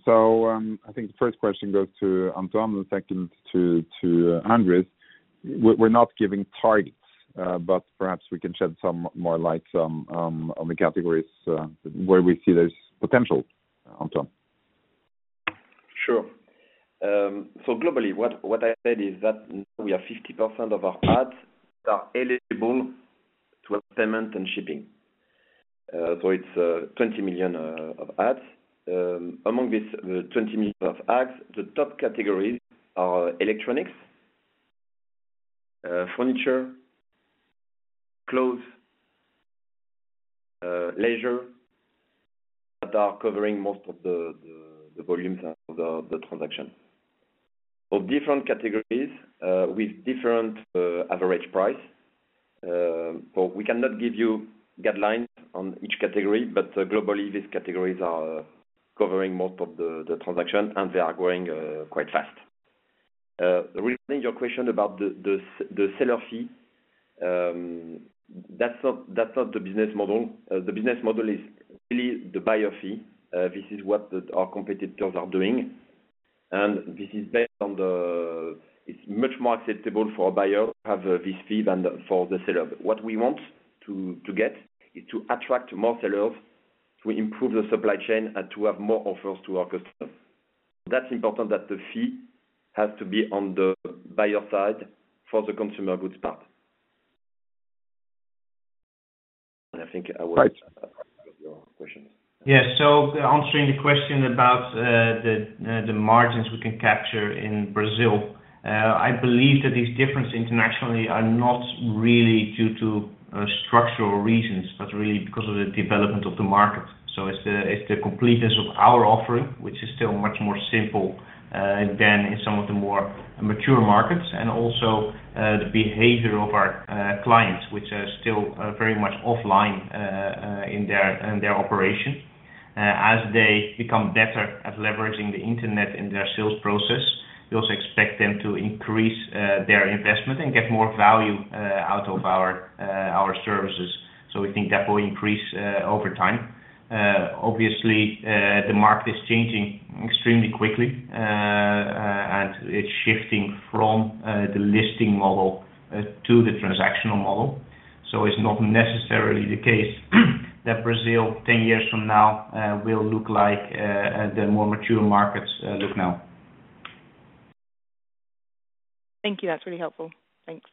I think the first question goes to Antoine and the second to Andries. We're not giving targets, perhaps we can shed some more light on the categories where we see there's potential, Antoine. Sure. Globally, what I said is that we have 50% of our ads that are eligible to have payment and shipping. It's 20 million of ads. Among these 20 million of ads, the top categories are electronics. Furniture, clothes, leisure, that are covering most of the volumes of the transaction, of different categories with different average price. We cannot give you guidelines on each category, but globally, these categories are covering most of the transaction, and they are growing quite fast. Regarding your question about the seller fee, that's not the business model. The business model is really the buyer fee. This is what our competitors are doing, and it's much more acceptable for a buyer to have this fee than for the seller. What we want to get is to attract more sellers, to improve the supply chain and to have more offers to our customers. That's important that the fee has to be on the buyer side for the consumer goods part. I think I will pass back to you for questions. Yes. Answering the question about the margins we can capture in Brazil, I believe that these differences internationally are not really due to structural reasons, but really because of the development of the market. It's the completeness of our offering, which is still much more simple than in some of the more mature markets, and also the behavior of our clients, which are still very much offline in their operation. As they become better at leveraging the internet in their sales process, we also expect them to increase their investment and get more value out of our services. We think that will increase over time. Obviously, the market is changing extremely quickly, and it's shifting from the listing model to the transactional model. It's not necessarily the case that Brazil, 10 years from now, will look like the more mature markets look now. Thank you. That's really helpful. Thanks.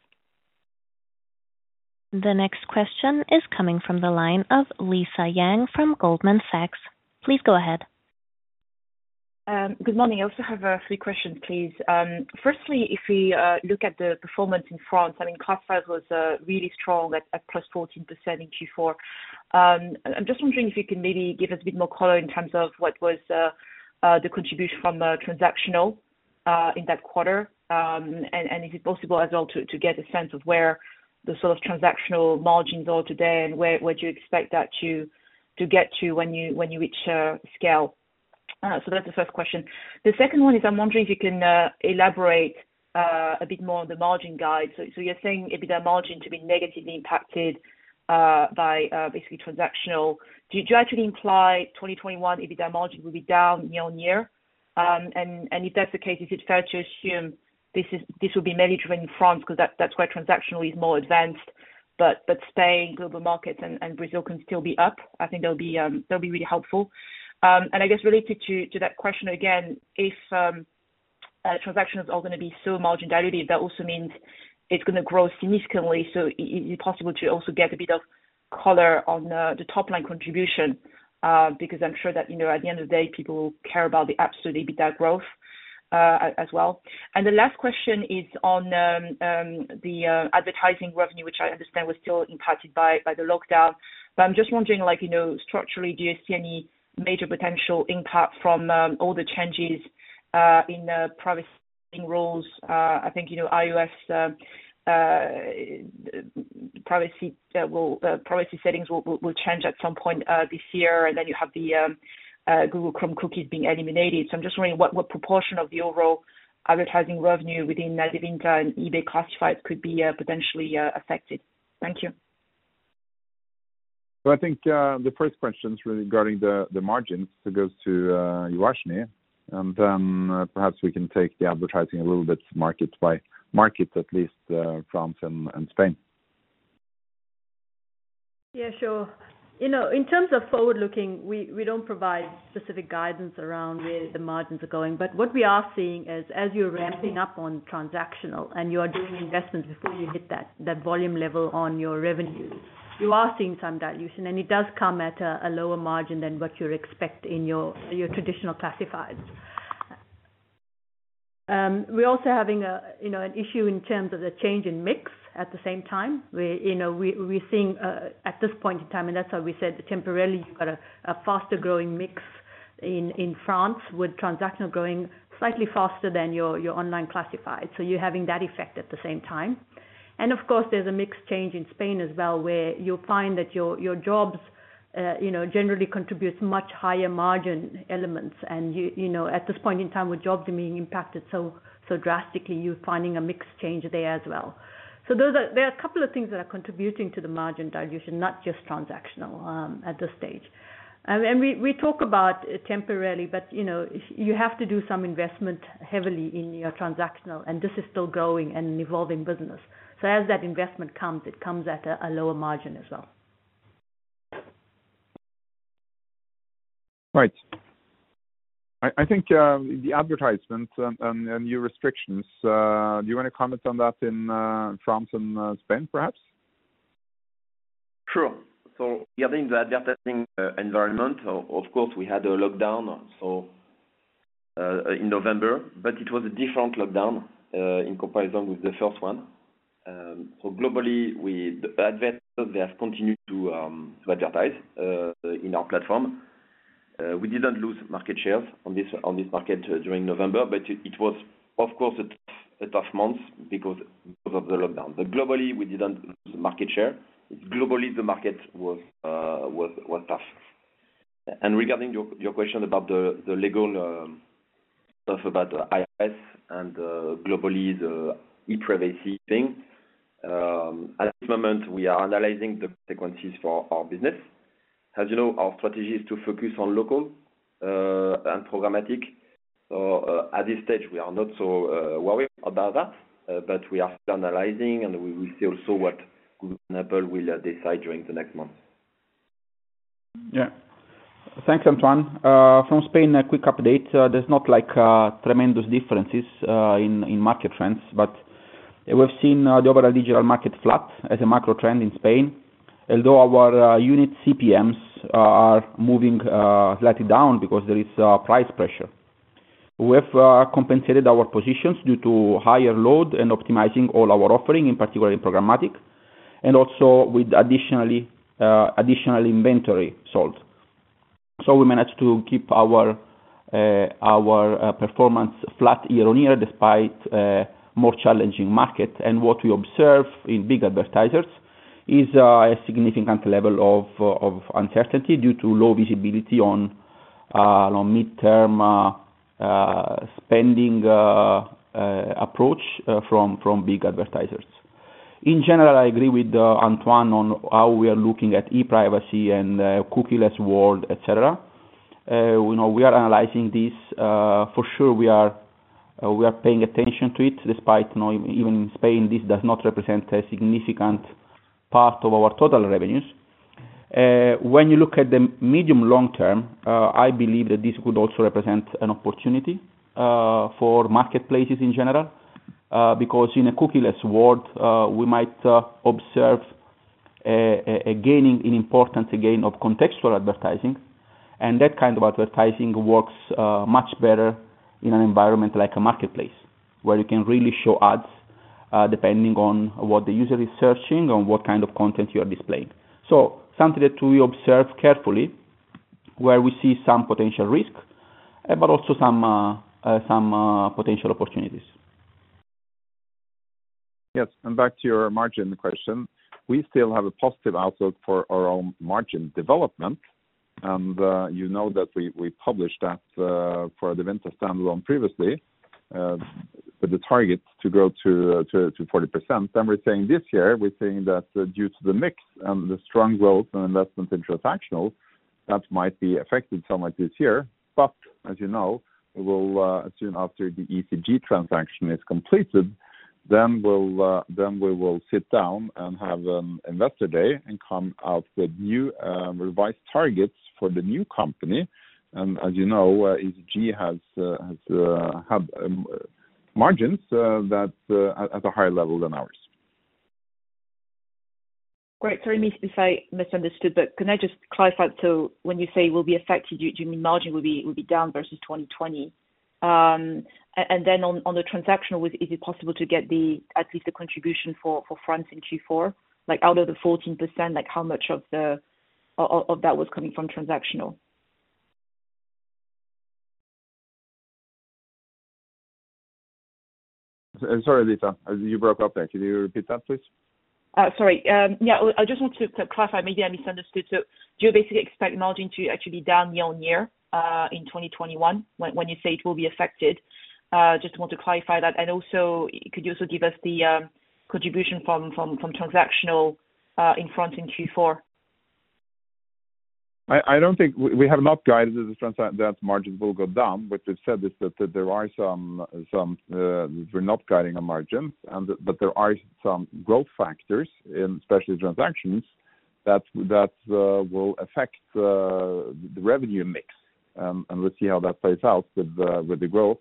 The next question is coming from the line of Lisa Yang from Goldman Sachs. Please go ahead. Good morning. I also have three questions, please. If we look at the performance in France, classifieds was really strong at +14% in Q4. I'm just wondering if you can maybe give us a bit more color in terms of what was the contribution from transactional in that quarter. If it's possible as well to get a sense of where the sort of transactional margins are today and where would you expect that to get to when you reach scale. That's the first question. The second one is I'm wondering if you can elaborate a bit more on the margin guide. You're saying EBITDA margin to be negatively impacted by basically transactional. Do you actually imply 2021 EBITDA margin will be down year-on-year? If that's the case, is it fair to assume this will be mainly driven in France because that's where transactional is more advanced, but Spain Global Markets and Brazil can still be up? I think that'll be really helpful. I guess related to that question again, if transactions are all going to be so margin dilutive, that also means it's going to grow significantly, so is it possible to also get a bit of color on the top-line contribution? Because I'm sure that, at the end of the day, people care about the absolute EBITDA growth as well. The last question is on the advertising revenue, which I understand was still impacted by the lockdown. I'm just wondering, structurally, do you see any major potential impact from all the changes in privacy rules? I think, iOS privacy settings will change at some point this year, and then you have the Google Chrome cookies being eliminated. I'm just wondering what proportion of the overall advertising revenue within Adevinta and eBay Classifieds could be potentially affected? Thank you. I think, the first question is really regarding the margins. It goes to Uvashni. Perhaps we can take the advertising a little bit market by market, at least France and Spain. Yeah, sure. In terms of forward-looking, we don't provide specific guidance around where the margins are going. What we are seeing is as you're ramping up on transactional and you are doing investments before you hit that volume level on your revenues, you are seeing some dilution, and it does come at a lower margin than what you'd expect in your traditional classifieds. We're also having an issue in terms of the change in mix at the same time, where we're seeing at this point in time, and that's why we said temporarily you've got a faster-growing mix in France with transactional growing slightly faster than your online classified. You're having that effect at the same time. Of course, there's a mix change in Spain as well, where you'll find that your jobs generally contributes much higher margin elements. At this point in time with jobs being impacted so drastically, you're finding a mix change there as well. There are a couple of things that are contributing to the margin dilution, not just transactional at this stage. We talk about temporarily, but you have to do some investment heavily in your transactional, and this is still growing and evolving business. As that investment comes, it comes at a lower margin as well. Right. I think the advertisements and new restrictions, do you want to comment on that in France and Spain, perhaps? Sure. Regarding the advertising environment, of course, we had a lockdown in November, but it was a different lockdown in comparison with the first one. Globally, with advertisers, they have continued to advertise in our platform. We didn't lose market shares on this market during November, but it was, of course, a tough month because of the lockdown. Globally, we didn't lose market share. Globally, the market was tough. Regarding your question about the legal stuff about iOS and globally the ePrivacy thing, at this moment, we are analyzing the frequencies for our business. As you know, our strategy is to focus on local and programmatic. At this stage, we are not so worried about that. We are still analyzing, and we will see also what Google and Apple will decide during the next month. Thanks, Antoine. From Spain, a quick update. There's not tremendous differences in market trends, but we've seen the overall digital market flat as a macro trend in Spain, although our unit CPMs are moving slightly down because there is price pressure. We have compensated our positions due to higher load and optimizing all our offering, in particular in programmatic, and also with additional inventory sold. We managed to keep our performance flat year-on-year despite a more challenging market. What we observe in big advertisers is a significant level of uncertainty due to low visibility on midterm spending approach from big advertisers. In general, I agree with Antoine on how we are looking at ePrivacy and cookieless world, et cetera. We are analyzing this. For sure we are paying attention to it despite, even in Spain, this does not represent a significant part of our total revenues. When you look at the medium long term, I believe that this could also represent an opportunity for marketplaces in general, because in a cookieless world, we might observe a gaining in importance, again, of contextual advertising. That kind of advertising works much better in an environment like a marketplace, where you can really show ads, depending on what the user is searching and what kind of content you are displaying. Something that we observe carefully, where we see some potential risk, but also some potential opportunities. Back to your margin question. We still have a positive outlook for our own margin development and you know that we published that for Adevinta standalone previously, with the target to grow to 40%. We're saying this year, we're saying that due to the mix and the strong growth in investment in transactional, that might be affected somewhat this year. As you know, soon after the eCG transaction is completed, we will sit down and have an investor day and come out with new revised targets for the new company. As you know eCG has had margins at a higher level than ours. Great. Sorry, missed, if I misunderstood, but can I just clarify? When you say will be affected, do you mean margin will be down versus 2020? On the transactional, is it possible to get at least the contribution for France in Q4? Out of the 14%, how much of that was coming from transactional? Sorry, Lisa, you broke up there. Could you repeat that, please? Sorry. Yeah, I just want to clarify, maybe I misunderstood. Do you basically expect margin to actually be down year-on-year in 2021, when you say it will be affected? Just want to clarify that. Also, could you also give us the contribution from transactional in France in Q4? We have not guided that margins will go down. What we've said is that we're not guiding on margins, but there are some growth factors in, especially transactions, that will affect the revenue mix, and we'll see how that plays out with the growth.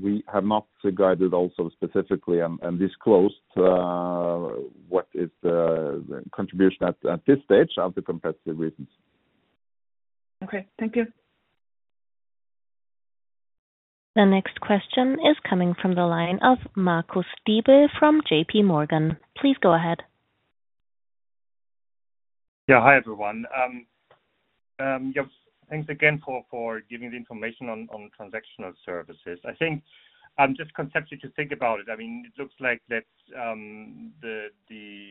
We have not guided also specifically and disclosed what is the contribution at this stage for competitive reasons. Okay, thank you. The next question is coming from the line of Marcus Diebel from JPMorgan. Please go ahead. Yeah. Hi, everyone. Thanks again for giving the information on transactional services. I think, just conceptually to think about it looks like that the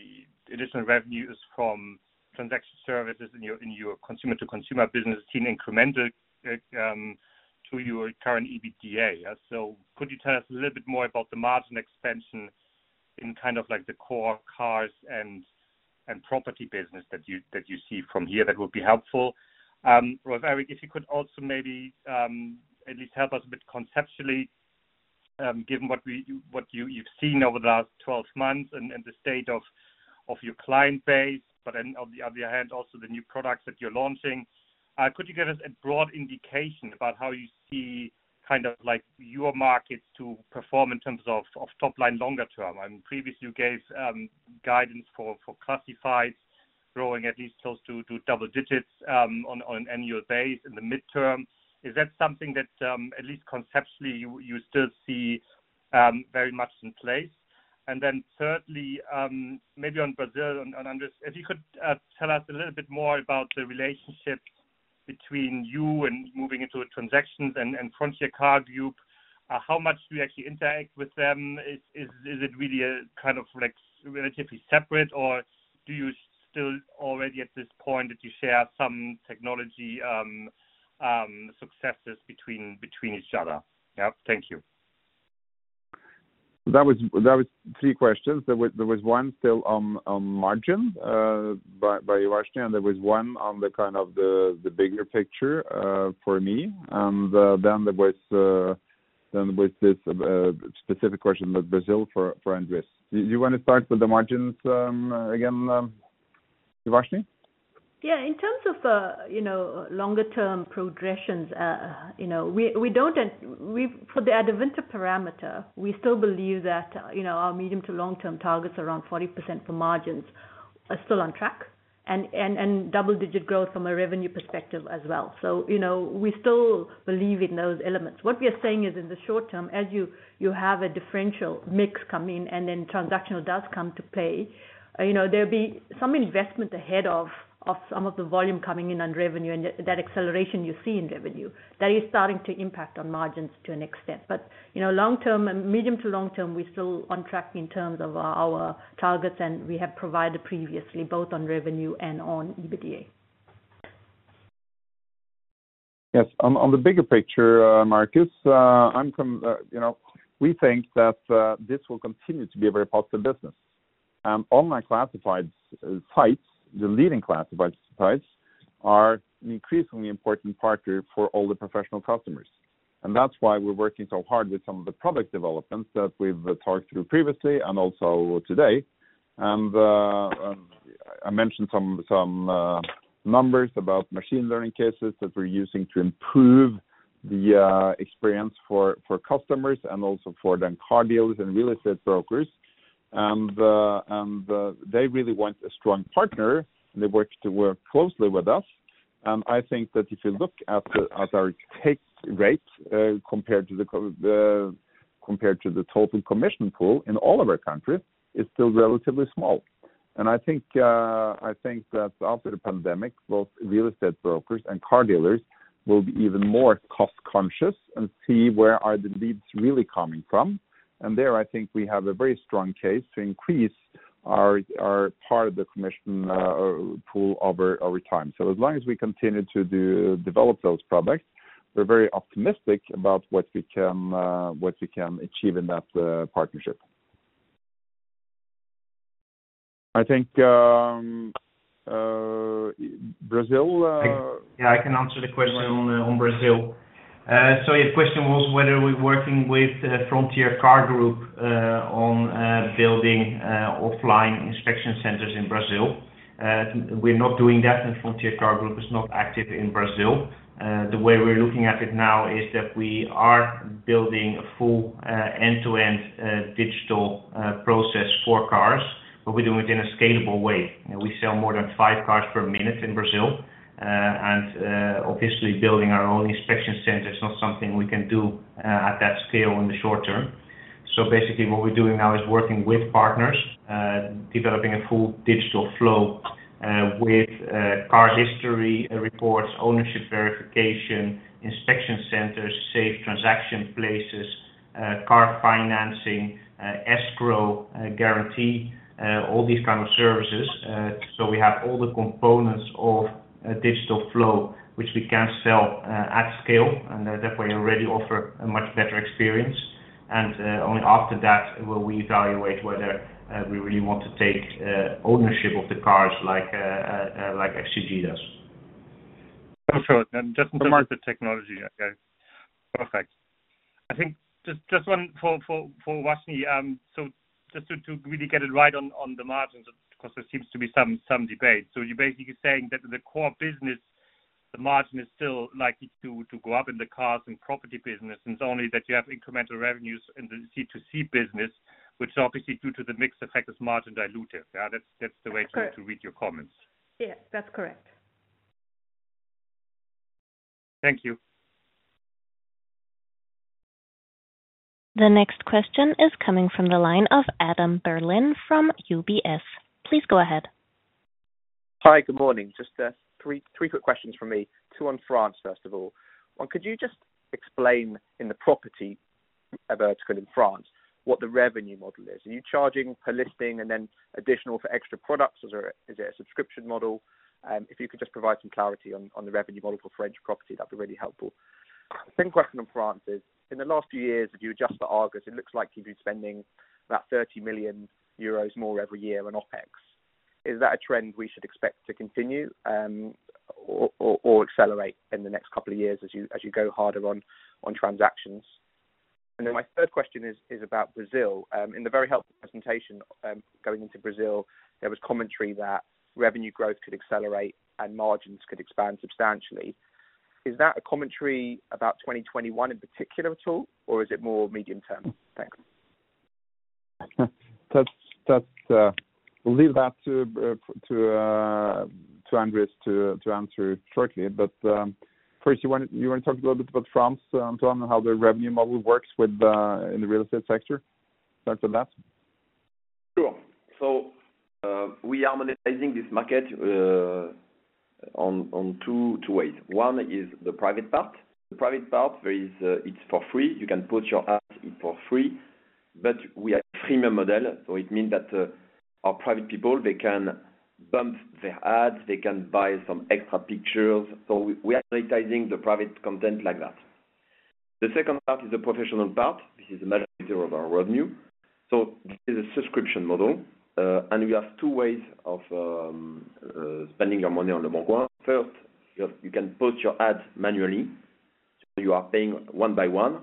additional revenues from transaction services in your consumer-to-consumer business seem incremental to your current EBITDA. Could you tell us a little bit more about the margin expansion in the core cars and property business that you see from here? That would be helpful. Rolv Erik, if you could also maybe at least help us a bit conceptually, given what you've seen over the last 12 months and the state of your client base, but then on the other hand, also the new products that you're launching. Could you give us a broad indication about how you see your markets to perform in terms of top line longer term? Previously you gave guidance for classifieds growing at least close to double digits on an annual base in the midterm. Is that something that, at least conceptually, you still see very much in place? Thirdly, maybe on Brazil, and Andries, if you could tell us a little bit more about the relationship between you and moving into transactions and Frontier Car Group, how much do you actually interact with them? Is it really relatively separate, or do you still already at this point, did you share some technology successes between each other? Yeah. Thank you. That was three questions. There was one still on margin, by Uvashni, and there was one on the bigger picture, for me. Then there was this specific question about Brazil for Andries. Do you want to start with the margins again, Uvashni? In terms of longer-term progressions, for the Adevinta perimeter, we still believe that our medium-to-long-term targets around 40% for margins are still on track, and double-digit growth from a revenue perspective as well. We still believe in those elements. What we are saying is in the short term, as you have a differential mix come in and then transactional does come to play, there'll be some investment ahead of some of the volume coming in on revenue and that acceleration you see in revenue. That is starting to impact on margins to an extent. Medium to long term, we're still on track in terms of our targets, and we have provided previously both on revenue and on EBITDA. Yes. On the bigger picture, Marcus, we think that this will continue to be a very positive business. Online classifieds sites, the leading classifieds sites, are an increasingly important partner for all the professional customers. That's why we're working so hard with some of the product developments that we've talked through previously and also today. I mentioned some numbers about machine learning cases that we're using to improve the experience for customers and also for then car dealers and real estate brokers. They really want a strong partner, and they want to work closely with us. I think that if you look at our take rates, compared to the total commission pool in all of our countries, it's still relatively small. I think that after the pandemic, both real estate brokers and car dealers will be even more cost-conscious and see where are the leads really coming from. There, I think we have a very strong case to increase our part of the commission pool over time. As long as we continue to develop those products, we're very optimistic about what we can achieve in that partnership. I think, Brazil. Yeah, I can answer the question on Brazil. Your question was whether we're working with Frontier Car Group on building offline inspection centers in Brazil. We're not doing that, and Frontier Car Group is not active in Brazil. The way we're looking at it now is that we are building a full end-to-end digital process for cars, but we're doing it in a scalable way. We sell more than five cars per minute in Brazil. Obviously building our own inspection center is not something we can do at that scale in the short term. Basically what we're doing now is working with partners, developing a full digital flow with cars history reports, ownership verification, inspection centers, safe transaction places, car financing, escrow guarantee, all these kind of services. We have all the components of a digital flow, which we can sell at scale, and that way already offer a much better experience. Only after that will we evaluate whether we really want to take ownership of the cars like FCG does. Perfect. Just in terms of the technology. Perfect. I think just one for Uvashni. Just to really get it right on the margins, because there seems to be some debate. You're basically saying that the core business, the margin is still likely to go up in the cars and property business, and it's only that you have incremental revenues in the C2C business, which is obviously due to the mix effect is margin dilutive. Yeah, that's the way to read your comments. Yes, that's correct. Thank you. The next question is coming from the line of Adam Berlin from UBS. Please go ahead. Hi, good morning. Just three quick questions from me. Two on France, first of all. Could you just explain in the property vertical in France what the revenue model is? Are you charging per listing and then additional for extra products, or is it a subscription model? If you could just provide some clarity on the revenue model for French property, that'd be really helpful. Second question on France is, in the last few years, if you adjust for Argus, it looks like you've been spending about 30 million euros more every year on OpEx. Is that a trend we should expect to continue or accelerate in the next couple of years as you go harder on transactions? My third question is about Brazil. In the very helpful presentation going into Brazil, there was commentary that revenue growth could accelerate and margins could expand substantially. Is that a commentary about 2021 in particular at all, or is it more medium term? Thanks. We'll leave that to Andries to answer shortly. First, you want to talk a little bit about France, Antoine, how the revenue model works in the real estate sector? Start with that. Sure. We are monetizing this market on two ways. One is the private part. The private part, it's for free. You can put your ads in for free. We are a premium model, it means that our private people, they can bump their ads, they can buy some extra pictures. We are monetizing the private content like that. The second part is the professional part, which is the majority of our revenue. This is a subscription model, we have two ways of spending your money on leboncoin. First, you can put your ads manually, you are paying one by one,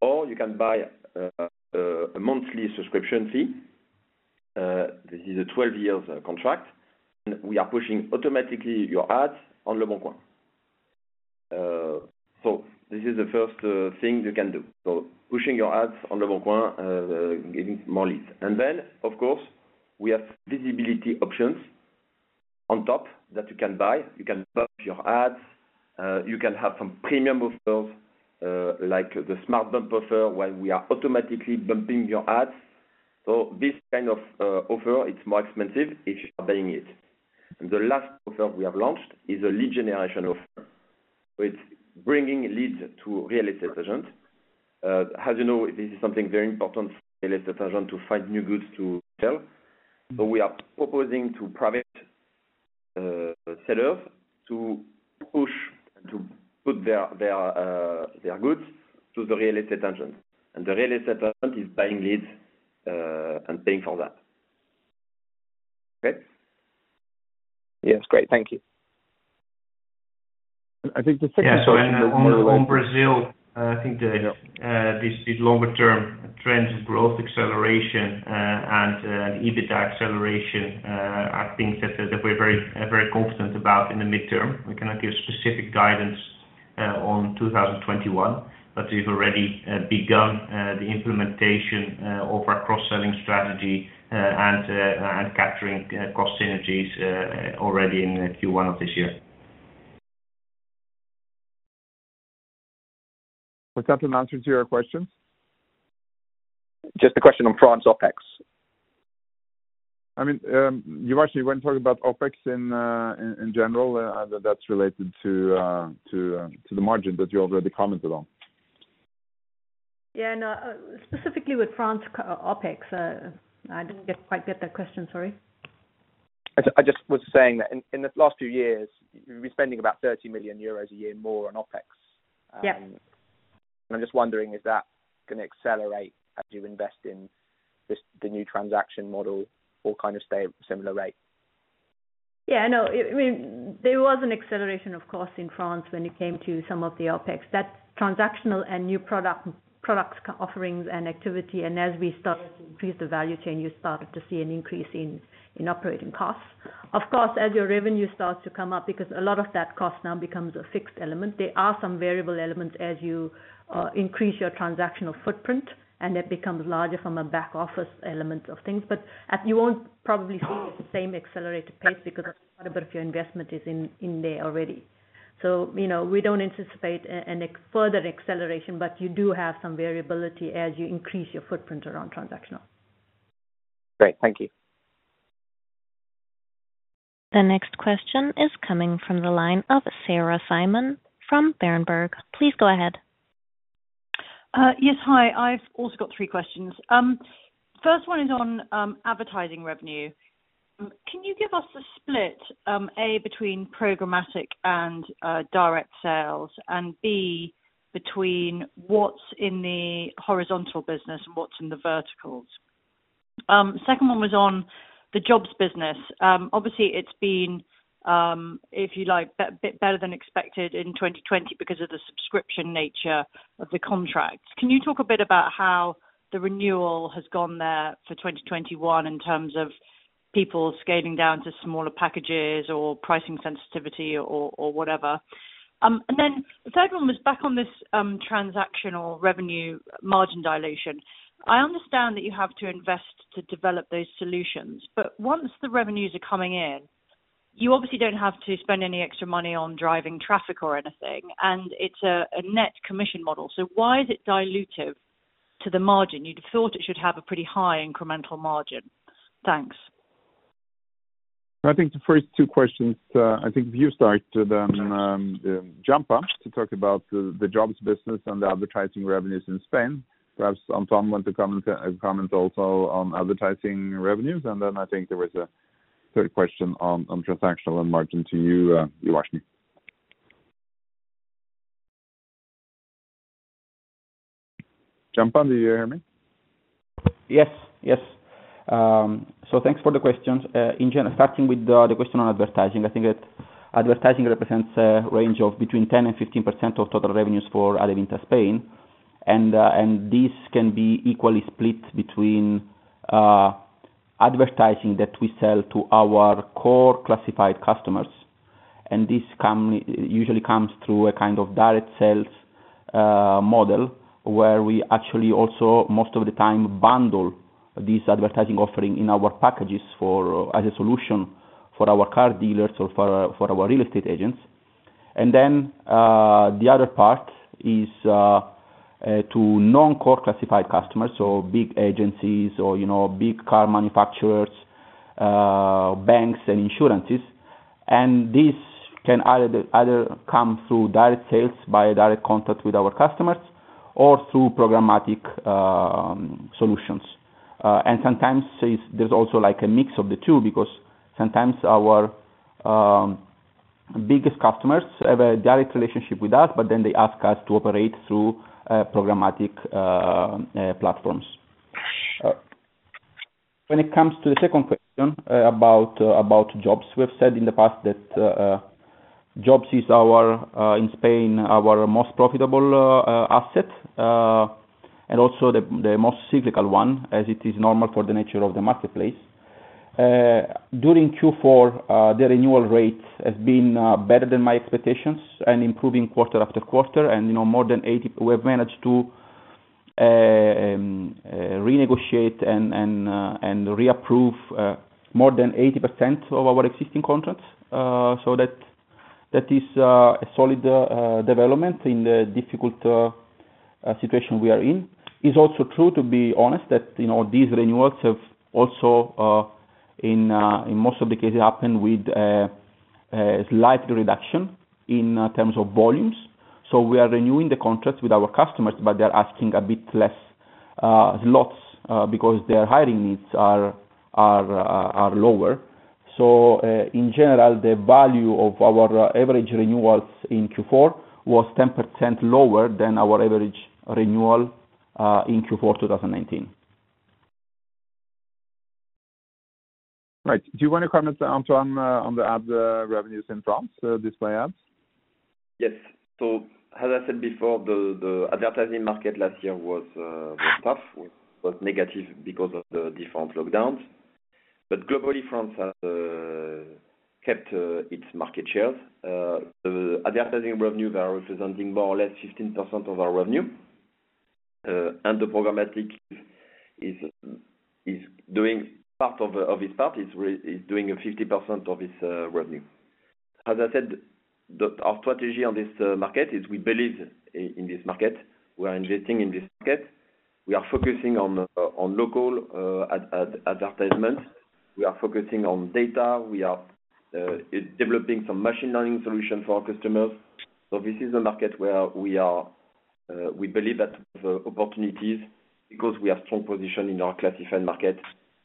or you can buy a monthly subscription fee. This is a 12-month contract, we are pushing automatically your ads on leboncoin. This is the first thing you can do. Pushing your ads on leboncoin, getting more leads. Then, of course, we have visibility options on top that you can buy. You can bump your ads. You can have some premium offers, like the Smart Bump offer, where we are automatically bumping your ads. This kind of offer, it's more expensive if you are buying it. The last offer we have launched is a lead generation offer. It's bringing leads to real estate agents. As you know, this is something very important for real estate agent to find new goods to sell. We are proposing to private sellers to push, to put their goods to the real estate agent. The real estate agent is buying leads, and paying for that. Okay. Yes. Great. Thank you. I think the second question. Yeah. On Brazil, I think these longer term trends, growth acceleration, and EBITDA acceleration are things that we're very confident about in the midterm. We cannot give specific guidance on 2021, but we've already begun the implementation of our cross-selling strategy, and capturing cost synergies already in Q1 of this year. Was that an answer to your question? Just a question on France OpEx. You actually want to talk about OpEx in general, that's related to the margin that you already commented on. Yeah. No, specifically with France OpEx. I didn't quite get that question. Sorry. I just was saying that in the last few years, you've been spending about 30 million euros a year more on OpEx. I'm just wondering, is that going to accelerate as you invest in the new transaction model or kind of stay similar rate? Yeah. No, there was an acceleration, of course, in France when it came to some of the OpEx. That's transactional and new products offerings and activity, and as we started to increase the value chain, you started to see an increase in operating costs. Of course, as your revenue starts to come up, because a lot of that cost now becomes a fixed element. There are some variable elements as you increase your transactional footprint, and it becomes larger from a back office element of things. You won't probably see the same accelerated pace because quite a bit of your investment is in there already. We don't anticipate any further acceleration, but you do have some variability as you increase your footprint around transactional. Great. Thank you. The next question is coming from the line of Sarah Simon from Berenberg. Please go ahead. Yes. Hi. I've also got three questions. First one is on advertising revenue. Can you give us a split, A, between programmatic and direct sales, and B, between what's in the horizontal business and what's in the verticals? Second one was on the jobs business. Obviously, it's been, if you like, a bit better than expected in 2020 because of the subscription nature of the contracts. Can you talk a bit about how the renewal has gone there for 2021 in terms of people scaling down to smaller packages or pricing sensitivity or whatever? The third one was back on this transactional revenue margin dilution. I understand that you have to invest to develop those solutions, but once the revenues are coming in, you obviously don't have to spend any extra money on driving traffic or anything, and it's a net commission model. Why is it dilutive to the margin? You'd have thought it should have a pretty high incremental margin. Thanks. I think the first two questions, I think if you start then, Gianpa, to talk about the jobs business and the advertising revenues in Spain. Perhaps Antoine want to comment also on advertising revenues, and then I think there was a third question on transactional and margin to you, Uvashni. Gianpa, do you hear me? Yes. Thanks for the questions. In general, starting with the question on advertising, I think that advertising represents a range of between 10% and 15% of total revenues for Adevinta Spain. This can be equally split between advertising that we sell to our core classified customers. This usually comes through a kind of direct sales model, where we actually also, most of the time, bundle this advertising offering in our packages as a solution for our car dealers or for our real estate agents. The other part is to non-core classified customers, so big agencies or big car manufacturers, banks and insurances. This can either come through direct sales, by direct contact with our customers, or through programmatic solutions. Sometimes, there's also a mix of the two, because sometimes our biggest customers have a direct relationship with us, but then they ask us to operate through programmatic platforms. When it comes to the second question about InfoJobs, we've said in the past that InfoJobs is, in Spain, our most profitable asset, and also the most cyclical one, as it is normal for the nature of the marketplace. During Q4, the renewal rate has been better than my expectations and improving quarter after quarter, and we've managed to renegotiate and reapprove more than 80% of our existing contracts. That is a solid development in the difficult situation we are in. It's also true, to be honest, that these renewals have also, in most of the cases, happened with a slight reduction in terms of volumes. We are renewing the contracts with our customers, but they're asking a bit less slots because their hiring needs are lower. In general, the value of our average renewals in Q4 was 10% lower than our average renewal in Q4 2019. Right. Do you want to comment, Antoine, on the ad revenues in France, display ads? Yes. As I said before, the advertising market last year was tough, was negative because of the different lockdowns. Globally, France has kept its market shares. The advertising revenue there representing more or less 15% of our revenue. The programmatic is doing its part, is doing 50% of its revenue. As I said, our strategy on this market is, we believe in this market. We are investing in this market. We are focusing on local advertisement. We are focusing on data. We are developing some machine learning solutions for our customers. This is a market where we believe that there are opportunities because we have strong position in our classified market,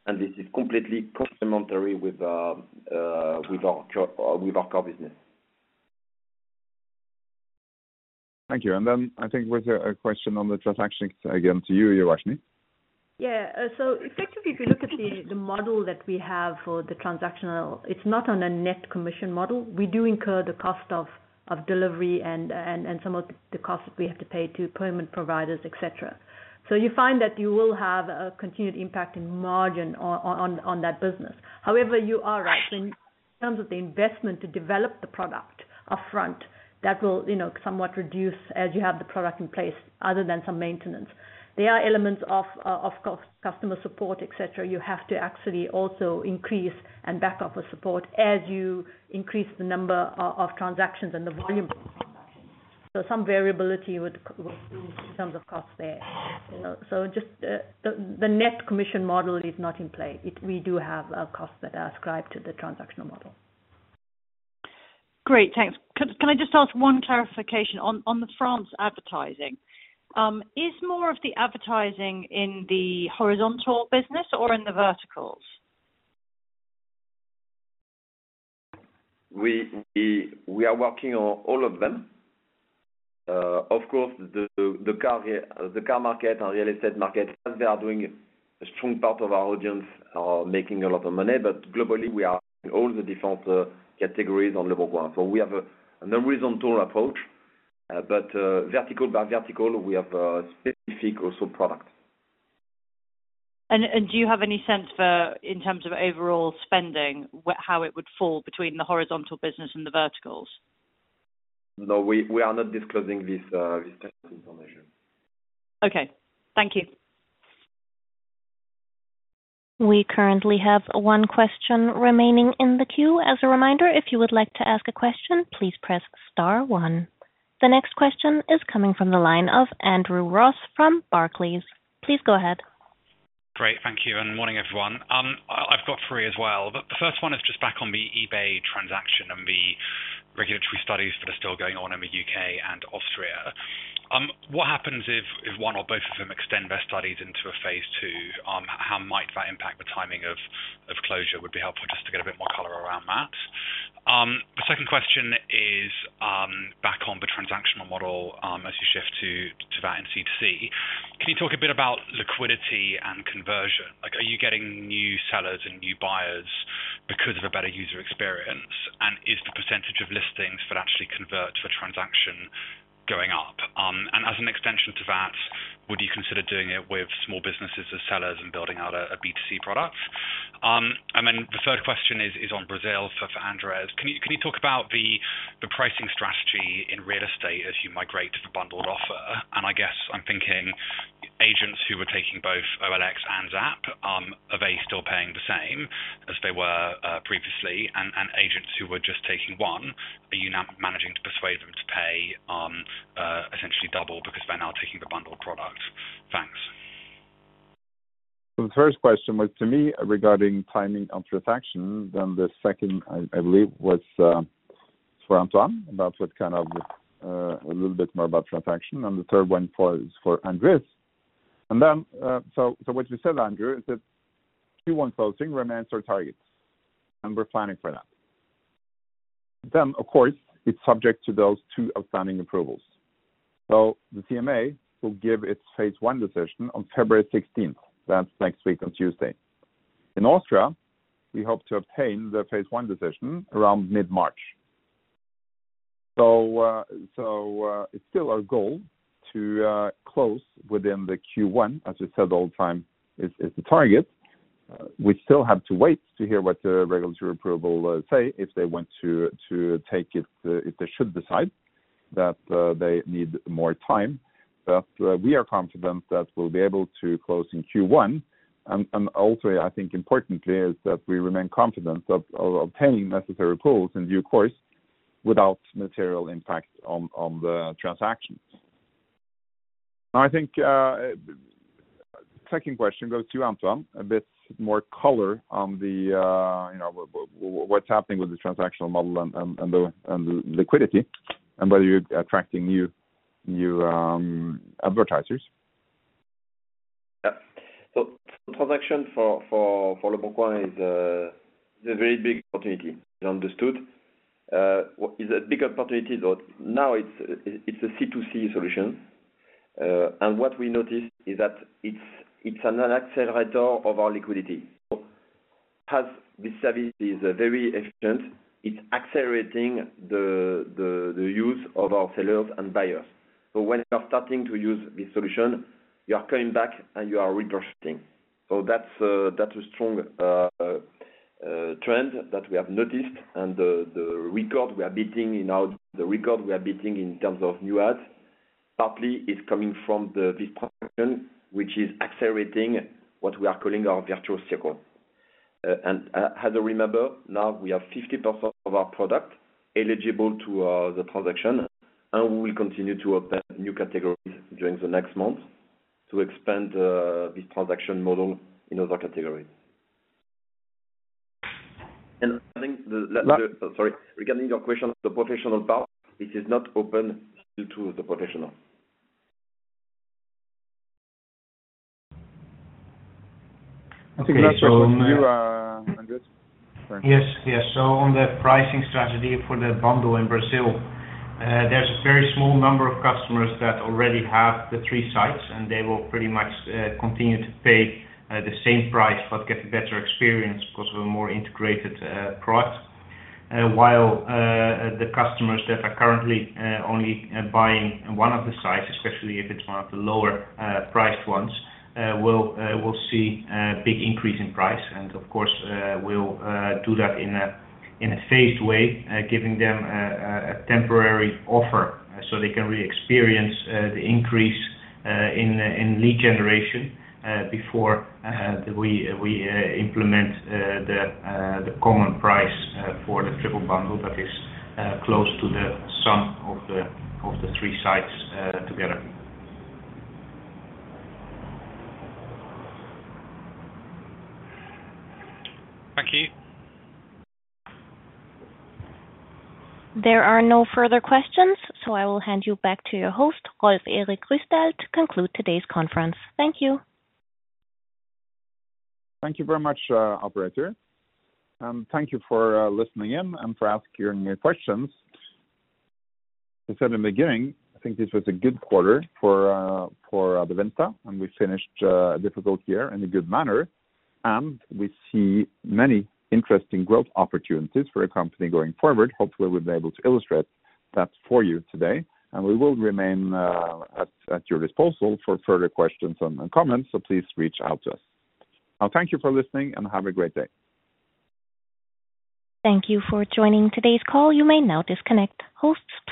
and this is completely complementary with our core business. Thank you. Then I think was there a question on the transactions again to you, Uvashni? Effectively, if you look at the model that we have for the transactional, it's not on a net commission model. We do incur the cost of delivery and some of the costs we have to pay to payment providers, et cetera. You find that you will have a continued impact in margin on that business. However, you are right. In terms of the investment to develop the product upfront, that will somewhat reduce as you have the product in place other than some maintenance. There are elements of customer support, et cetera, you have to actually also increase and back up with support as you increase the number of transactions and the volume of the transactions. Some variability would come in terms of cost there. Just the net commission model is not in play. We do have costs that are ascribed to the transactional model. Great. Thanks. Can I just ask one clarification on the France advertising? Is more of the advertising in the horizontal business or in the verticals? We are working on all of them. Of course, the car market and real estate market, as they are doing a strong part of our audience, are making a lot of money. Globally, we are in all the different categories on leboncoin. We have a horizontal approach, but vertical by vertical, we have specific also products. Do you have any sense for, in terms of overall spending, how it would fall between the horizontal business and the verticals? No. We are not disclosing this type of information. Okay. Thank you. We currently have one question remaining in the queue. As a reminder, if you would like to ask a question, please press star one. The next question is coming from the line of Andrew Ross from Barclays. Please go ahead. Great. Thank you, and morning, everyone. I've got three as well. The first one is just back on the eBay transaction and the regulatory studies that are still going on in the U.K. and Austria. What happens if one or both of them extend their studies into a phase two? How might that impact the timing of closure? Would be helpful just to get a bit more color around that. The second question is back on the transactional model as you shift to that in C2C. Can you talk a bit about liquidity and conversion? Are you getting new sellers and new buyers because of a better user experience? Is the percentage of listings that actually convert to a transaction going up? As an extension to that, would you consider doing it with small businesses as sellers and building out a B2C product? The third question is on Brazil. For Andries, can you talk about the pricing strategy in real estate as you migrate to the bundled offer? I guess I'm thinking agents who were taking both OLX and ZAP, are they still paying the same as they were previously? Agents who were just taking one, are you now managing to persuade them to pay essentially double because they're now taking the bundled product? Thanks. The first question was to me regarding timing of transaction. The second, I believe, was for Antoine, about what kind of a little bit more about transaction. The third one was for Andries. What you said, Andrew, is that Q1 closing remains our targets, and we're planning for that. Of course, it's subject to those two outstanding approvals. The CMA will give its phase one decision on February 16th. That's next week on Tuesday. In Austria, we hope to obtain the phase one decision around mid-March. It's still our goal to close within the Q1, as we said all the time, is the target. We still have to wait to hear what the regulatory approval say if they want to take it, if they should decide that they need more time. We are confident that we'll be able to close in Q1. Also, I think importantly, is that we remain confident of obtaining necessary approvals in due course without material impact on the transactions. I think second question goes to Antoine, a bit more color on what's happening with the transactional model and the liquidity and whether you are attracting new advertisers. Yeah. Transaction for leboncoin is a very big opportunity, we understood. It's a big opportunity, though. Now it's a C2C solution. What we noticed is that it's an accelerator of our liquidity. As this service is very efficient, it's accelerating the use of our sellers and buyers. When you are starting to use this solution, you are coming back, and you are repurchasing. That's a strong trend that we have noticed, and the record we are beating in terms of new ads partly is coming from this transaction, which is accelerating what we are calling our virtuous circle. As you remember, now we have 50% of our product eligible to the transaction, and we will continue to open new categories during the next month to expand this transaction model in other categories. I think, sorry. Regarding your question, the professional part, it is not open still to the professional. I think that's for you, Andries. Yes. On the pricing strategy for the bundle in Brazil, there's a very small number of customers that already have the three sites, and they will pretty much continue to pay the same price but get a better experience because of a more integrated product, while the customers that are currently only buying one of the sites, especially if it's one of the lower-priced ones will see a big increase in price. Of course, we'll do that in a phased way, giving them a temporary offer so they can re-experience the increase in lead generation before we implement the common price for the triple bundle that is close to the sum of the three sites together. Thank you. There are no further questions. I will hand you back to your host, Rolv Erik Ryssdal, to conclude today's conference. Thank you. Thank you very much, operator. Thank you for listening in and for asking your questions. As I said in the beginning, I think this was a good quarter for Adevinta, and we finished a difficult year in a good manner, and we see many interesting growth opportunities for the company going forward. Hopefully, we've been able to illustrate that for you today, and we will remain at your disposal for further questions and comments, so please reach out to us. I thank you for listening, and have a great day. Thank you for joining today's call. You may now disconnect. Hosts